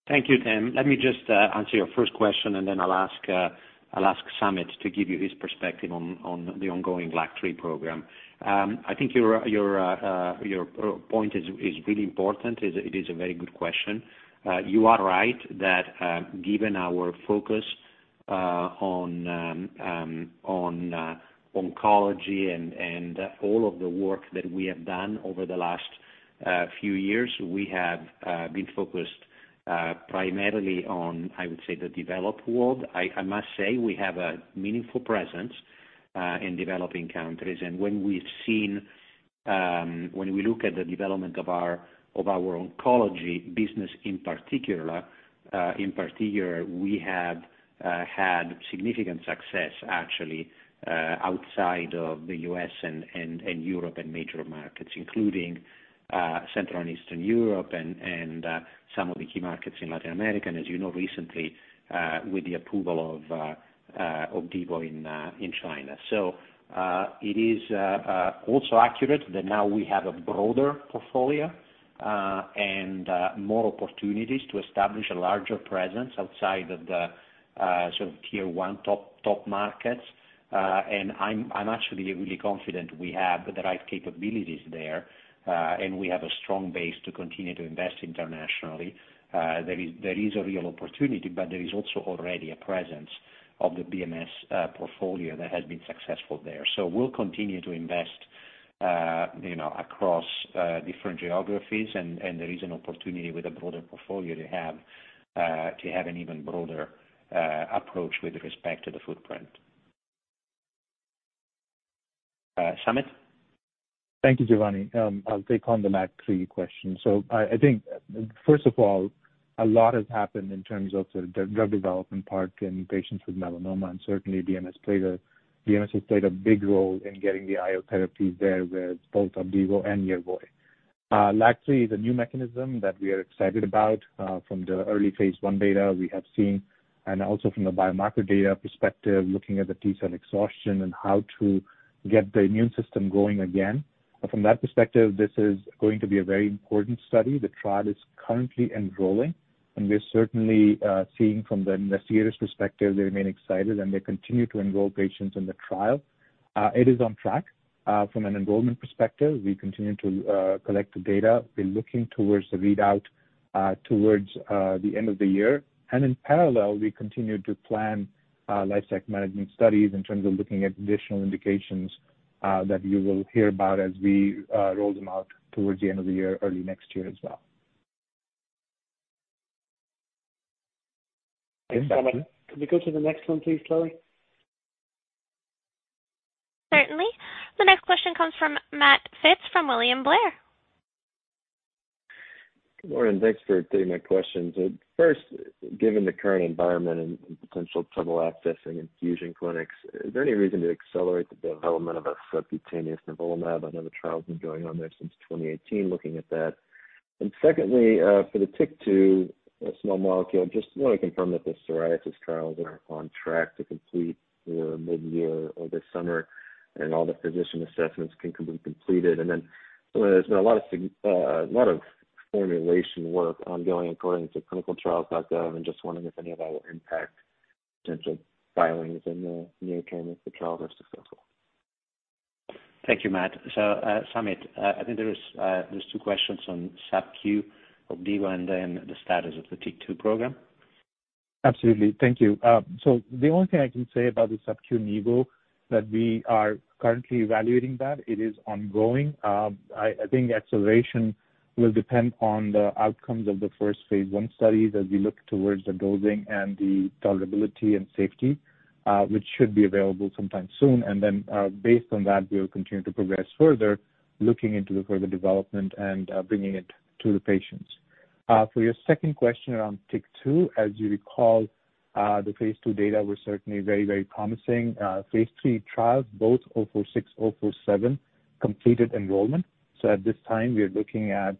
Thank you, Tim. Let me just answer your first question, and then I'll ask Samit to give you his perspective on the ongoing LAG-3 program. I think your point is really important. It is a very good question. You are right that, given our focus on oncology and all of the work that we have done over the last few years, we have been focused primarily on the developed world. I must say, we have a meaningful presence in developing countries. When we look at the development of our oncology business in particular, we have had significant success, actually, outside of the U.S. and Europe and major markets, including Central and Eastern Europe and some of the key markets in Latin America, as you know, recently with the approval of Opdivo in China. It is also accurate that now we have a broader portfolio, and more opportunities to establish a larger presence outside of the sort of tier 1 top markets. I'm actually really confident we have the right capabilities there, and we have a strong base to continue to invest internationally. There is a real opportunity, but there is also already a presence of the BMS portfolio that has been successful there. We'll continue to invest across different geographies, and there is an opportunity with a broader portfolio to have an even broader approach with respect to the footprint. Samit? Thank you, Giovanni. I'll take on the LAG-3 question. I think, first of all, a lot has happened in terms of the drug development part in patients with melanoma, and certainly BMS has played a big role in getting the IO therapies there with both Opdivo and Yervoy. LAG-3 is a new mechanism that we are excited about. From the early phase I data we have seen, and also from the biomarker data perspective, looking at the T cell exhaustion and how to get the immune system going again. From that perspective, this is going to be a very important study. The trial is currently enrolling, and we're certainly seeing from the investigators' perspective, they remain excited, and they continue to enroll patients in the trial. It is on track from an enrollment perspective. We continue to collect the data. We're looking towards the readout towards the end of the year. In parallel, we continue to plan life cycle management studies in terms of looking at additional indications that you will hear about as we roll them out towards the end of the year, early next year as well. Thanks, Samit. Can we go to the next one, please, Chloe? Certainly. The next question comes from Matt Phipps from William Blair. Good morning, thanks for taking my questions. First, given the current environment and potential trouble accessing infusion clinics, is there any reason to accelerate the development of a subcutaneous nivolumab? I know the trial's been going on there since 2018, looking at that. Secondly, for the TYK2 small molecule, just want to confirm that the psoriasis trials are on track to complete mid-year or this summer, and all the physician assessments can be completed. There's been a lot of formulation work ongoing according to clinicaltrials.gov, and just wondering if any of that will impact potential filings in the near term if the trials are successful. Thank you, Matt. Samit, I think there's two questions on sub Q Opdivo and then the status of the TYK2 program. Absolutely. Thank you. The only thing I can say about the sub-Q Opdivo, that we are currently evaluating that. It is ongoing. I think acceleration will depend on the outcomes of the first phase I studies as we look towards the dosing and the tolerability and safety, which should be available sometime soon. Based on that, we'll continue to progress further, looking into the further development and bringing it to the patients. For your second question around TYK2, as you recall, the phase II data was certainly very, very promising. Phase III trials, both 046, 047 completed enrollment. At this time, we are looking at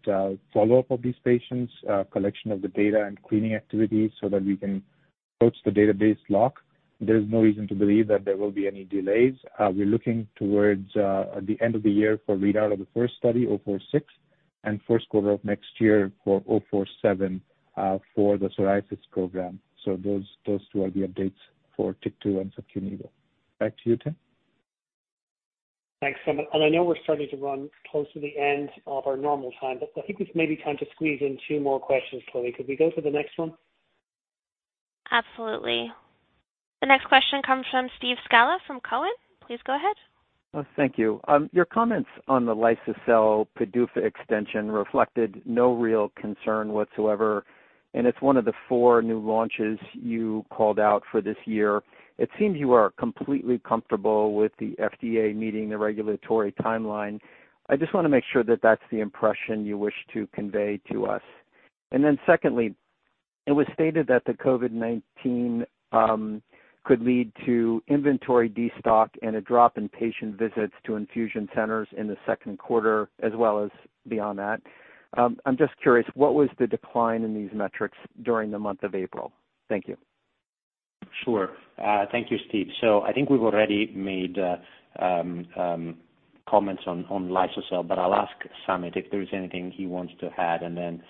follow-up of these patients, collection of the data, and cleaning activities so that we can approach the database lock. There's no reason to believe that there will be any delays. We're looking towards the end of the year for readout of the first study-046 and first quarter of next year for 047 for the psoriasis program. Those two are the updates for TYK2 anduncertain. Back to you, Tim. Thanks, Samit, and I know we're starting to run close to the end of our normal time, but I think it's maybe time to squeeze in two more questions, Chloe. Could we go to the next one? Absolutely. The next question comes from Steve Scala from Cowen. Please go ahead. Oh, thank you. Your comments on the liso-cel PDUFA extension reflected no real concern whatsoever. It's one of the four new launches you called out for this year. It seems you are completely comfortable with the FDA meeting the regulatory timeline. I just want to make sure that that's the impression you wish to convey to us. Secondly, it was stated that the COVID-19 could lead to inventory destock and a drop in patient visits to infusion centers in the second quarter as well as beyond that. I'm just curious, what was the decline in these metrics during the month of April? Thank you. Sure. Thank you, Steve. I think we've already made comments on liso-cel, but I'll ask Samit if there is anything he wants to add, and then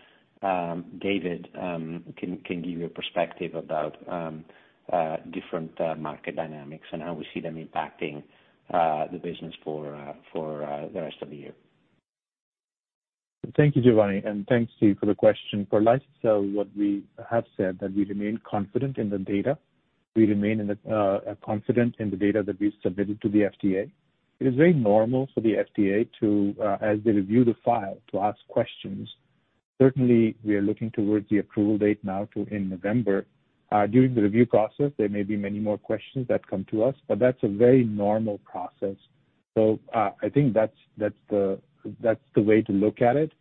David can give you a perspective about different market dynamics and how we see them impacting the business for the rest of the year. Thank you, Giovanni, and thanks to you for the question. For liso-cel, what we have said that we remain confident in the data. We remain confident in the data that we submitted to the FDA. It is very normal for the FDA to, as they review the file, to ask questions. Certainly, we are looking towards the approval date now to in November. During the review process, there may be many more questions that come to us. That's a very normal process. I think that's the way to look at it.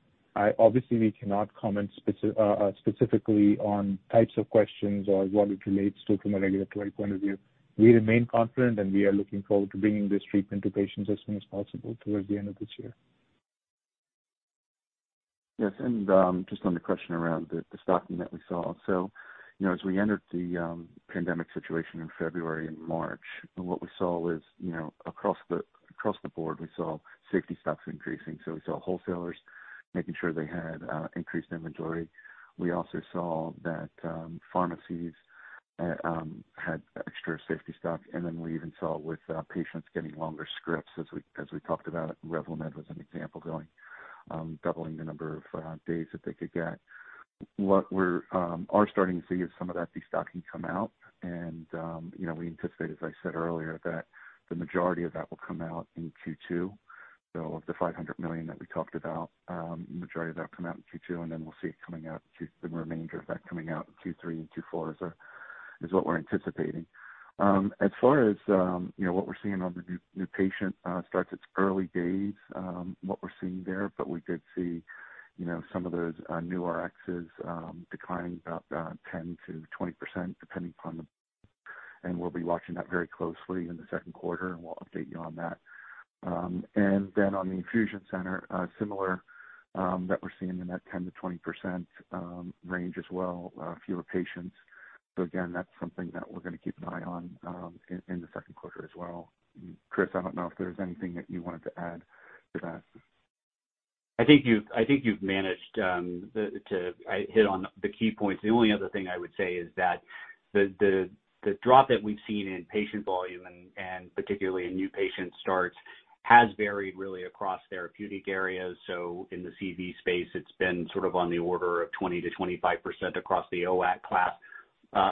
Obviously, we cannot comment specifically on types of questions or what it relates to from a regulatory point of view. We remain confident, and we are looking forward to bringing this treatment to patients as soon as possible towards the end of this year. Yes, just on the question around the stocking that we saw. As we entered the pandemic situation in February and March, what we saw was across the board, we saw safety stocks increasing. We saw wholesalers making sure they had increased inventory. We also saw that pharmacies had extra safety stock, we even saw with patients getting longer scripts as we talked about, REVLIMID was an example, going doubling the number of days that they could get. What we are starting to see is some of that destocking come out and we anticipate, as I said earlier, that the majority of that will come out in Q2. Of the $500 million that we talked about, the majority of that come out in Q2, we'll see the remainder of that coming out in Q3 and Q4 is what we're anticipating. As far as what we're seeing on the new patient starts, it's early days what we're seeing there, but we did see some of those new Rx's declining about 10%-20%, depending upon the We'll be watching that very closely in the second quarter, and we'll update you on that. On the infusion center, similar, that we're seeing in that 10%-20% range as well, fewer patients. Again, that's something that we're going to keep an eye on in the second quarter as well. Chris, I don't know if there's anything that you wanted to add to that. I think you've managed to hit on the key points. The only other thing I would say is that the drop that we've seen in patient volume and particularly in new patient starts has varied really across therapeutic areas. In the CV space, it's been sort of on the order of 20%-25% across the NOAC class.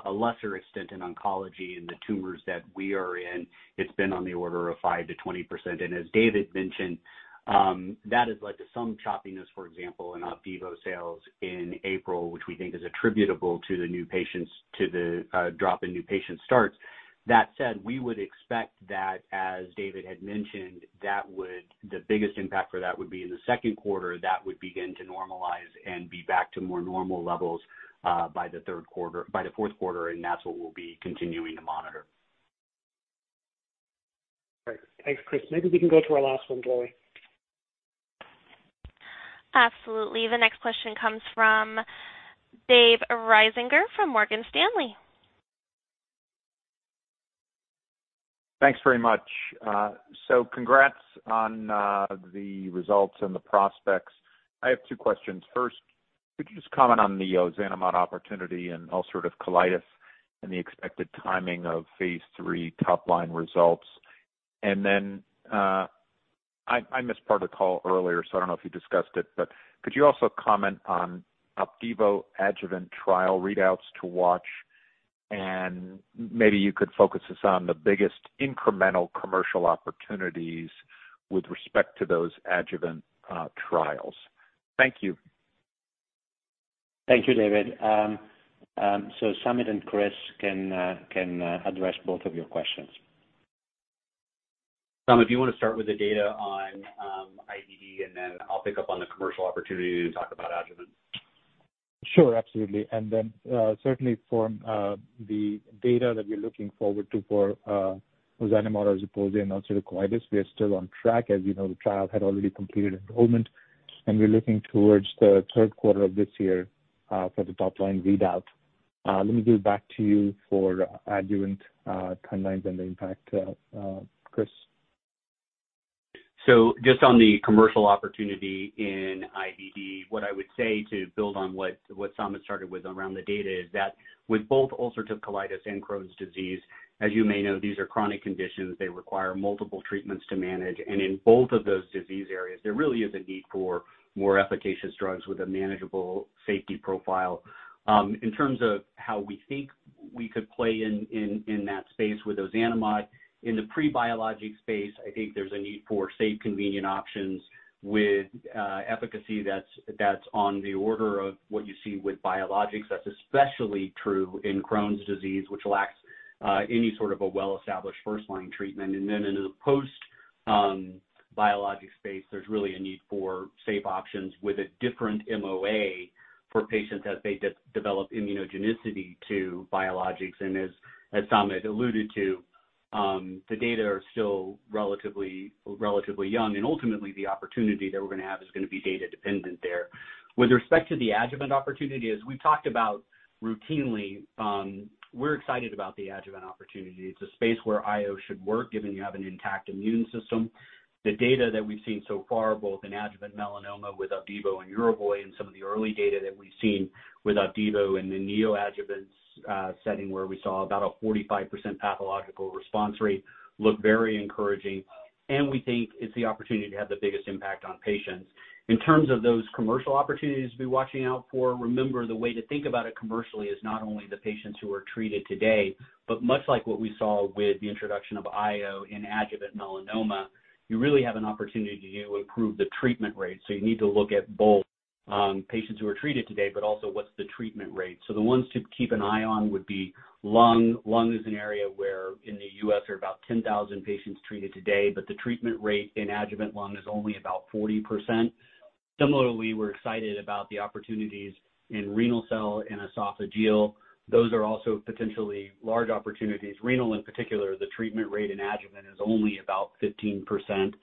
A lesser extent in oncology in the tumors that we are in, it's been on the order of 5%-20%. As David mentioned, that has led to some choppiness, for example, in Opdivo sales in April, which we think is attributable to the drop in new patient starts. That said, we would expect that, as David had mentioned, the biggest impact for that would be in the second quarter. That would begin to normalize and be back to more normal levels by the fourth quarter, and that's what we'll be continuing to monitor. Great. Thanks, Chris. Maybe we can go to our last one, Chloe. Absolutely. The next question comes from Dave Risinger from Morgan Stanley. Thanks very much. Congrats on the results and the prospects. I have two questions. First, could you just comment on the ozanimod opportunity in ulcerative colitis and the expected timing of phase III top-line results? Then, I missed part of the call earlier, so I don't know if you discussed it, but could you also comment on Opdivo adjuvant trial readouts to watch? Maybe you could focus us on the biggest incremental commercial opportunities with respect to those adjuvant trials. Thank you. Thank you, David. Samit and Christopher can address both of your questions. Sam, if you want to start with the data on IBD, and then I'll pick up on the commercial opportunity to talk about adjuvant. Sure, absolutely. Certainly from the data that we're looking forward to for ozanimod, rheumatoid arthritis, we are still on track. As you know, the trial had already completed enrollment, we're looking towards the third quarter of this year for the top-line readout. Let me go back to you for adjuvant timelines and the impact, Christopher. Just on the commercial opportunity in IBD, what I would say to build on what Samit started with around the data is that with both ulcerative colitis and Crohn's disease, as you may know, these are chronic conditions. They require multiple treatments to manage. In both of those disease areas, there really is a need for more efficacious drugs with a manageable safety profile. In terms of how we think we could play in that space with ozanimod, in the pre-biologic space, I think there's a need for safe, convenient options with efficacy that's on the order of what you see with biologics. That's especially true in Crohn's disease, which lacks any sort of a well-established first-line treatment. In the post-biologic space, there's really a need for safe options with a different MOA for patients as they develop immunogenicity to biologics. As Samit alluded to, the data are still relatively young, and ultimately, the opportunity that we're going to have is going to be data dependent there. With respect to the adjuvant opportunity, as we've talked about routinely, we're excited about the adjuvant opportunity. It's a space where IO should work, given you have an intact immune system. The data that we've seen so far, both in adjuvant melanoma with Opdivo and Yervoy, and some of the early data that we've seen with Opdivo in the neoadjuvant setting, where we saw about a 45% pathological response rate, look very encouraging, and we think it's the opportunity to have the biggest impact on patients. In terms of those commercial opportunities to be watching out for, remember, the way to think about it commercially is not only the patients who are treated today, but much like what we saw with the introduction of IO in adjuvant melanoma, you really have an opportunity to improve the treatment rate. You need to look at both patients who are treated today, but also what's the treatment rate. The ones to keep an eye on would be lung. Lung is an area where in the U.S., there are about 10,000 patients treated today, but the treatment rate in adjuvant lung is only about 40%. Similarly, we're excited about the opportunities in renal cell and esophageal. Those are also potentially large opportunities. Renal, in particular, the treatment rate in adjuvant is only about 15%.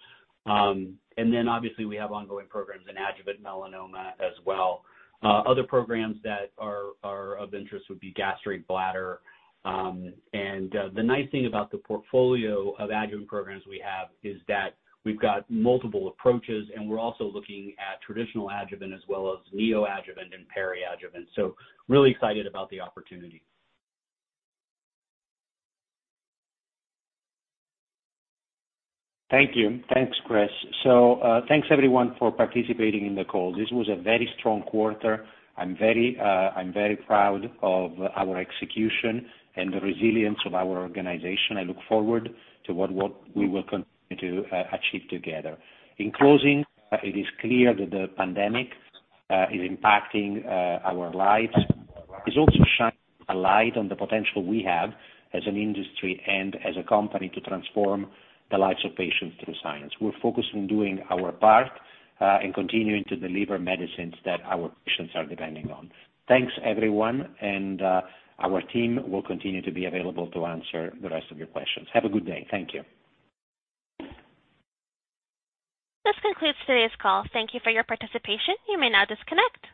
Obviously we have ongoing programs in adjuvant melanoma as well. Other programs that are of interest would be gastric bladder. The nice thing about the portfolio of adjuvant programs we have is that we've got multiple approaches, and we're also looking at traditional adjuvant as well as neoadjuvant and peri-adjuvant. Really excited about the opportunity. Thank you. Thanks, Christopher. Thanks everyone for participating in the call. This was a very strong quarter. I'm very proud of our execution and the resilience of our organization. I look forward to what we will continue to achieve together. In closing, it is clear that the pandemic is impacting our lives. It's also shining a light on the potential we have as an industry and as a company to transform the lives of patients through science. We're focused on doing our part, and continuing to deliver medicines that our patients are depending on. Thanks, everyone, and our team will continue to be available to answer the rest of your questions. Have a good day. Thank you. This concludes today's call. Thank you for your participation. You may now disconnect.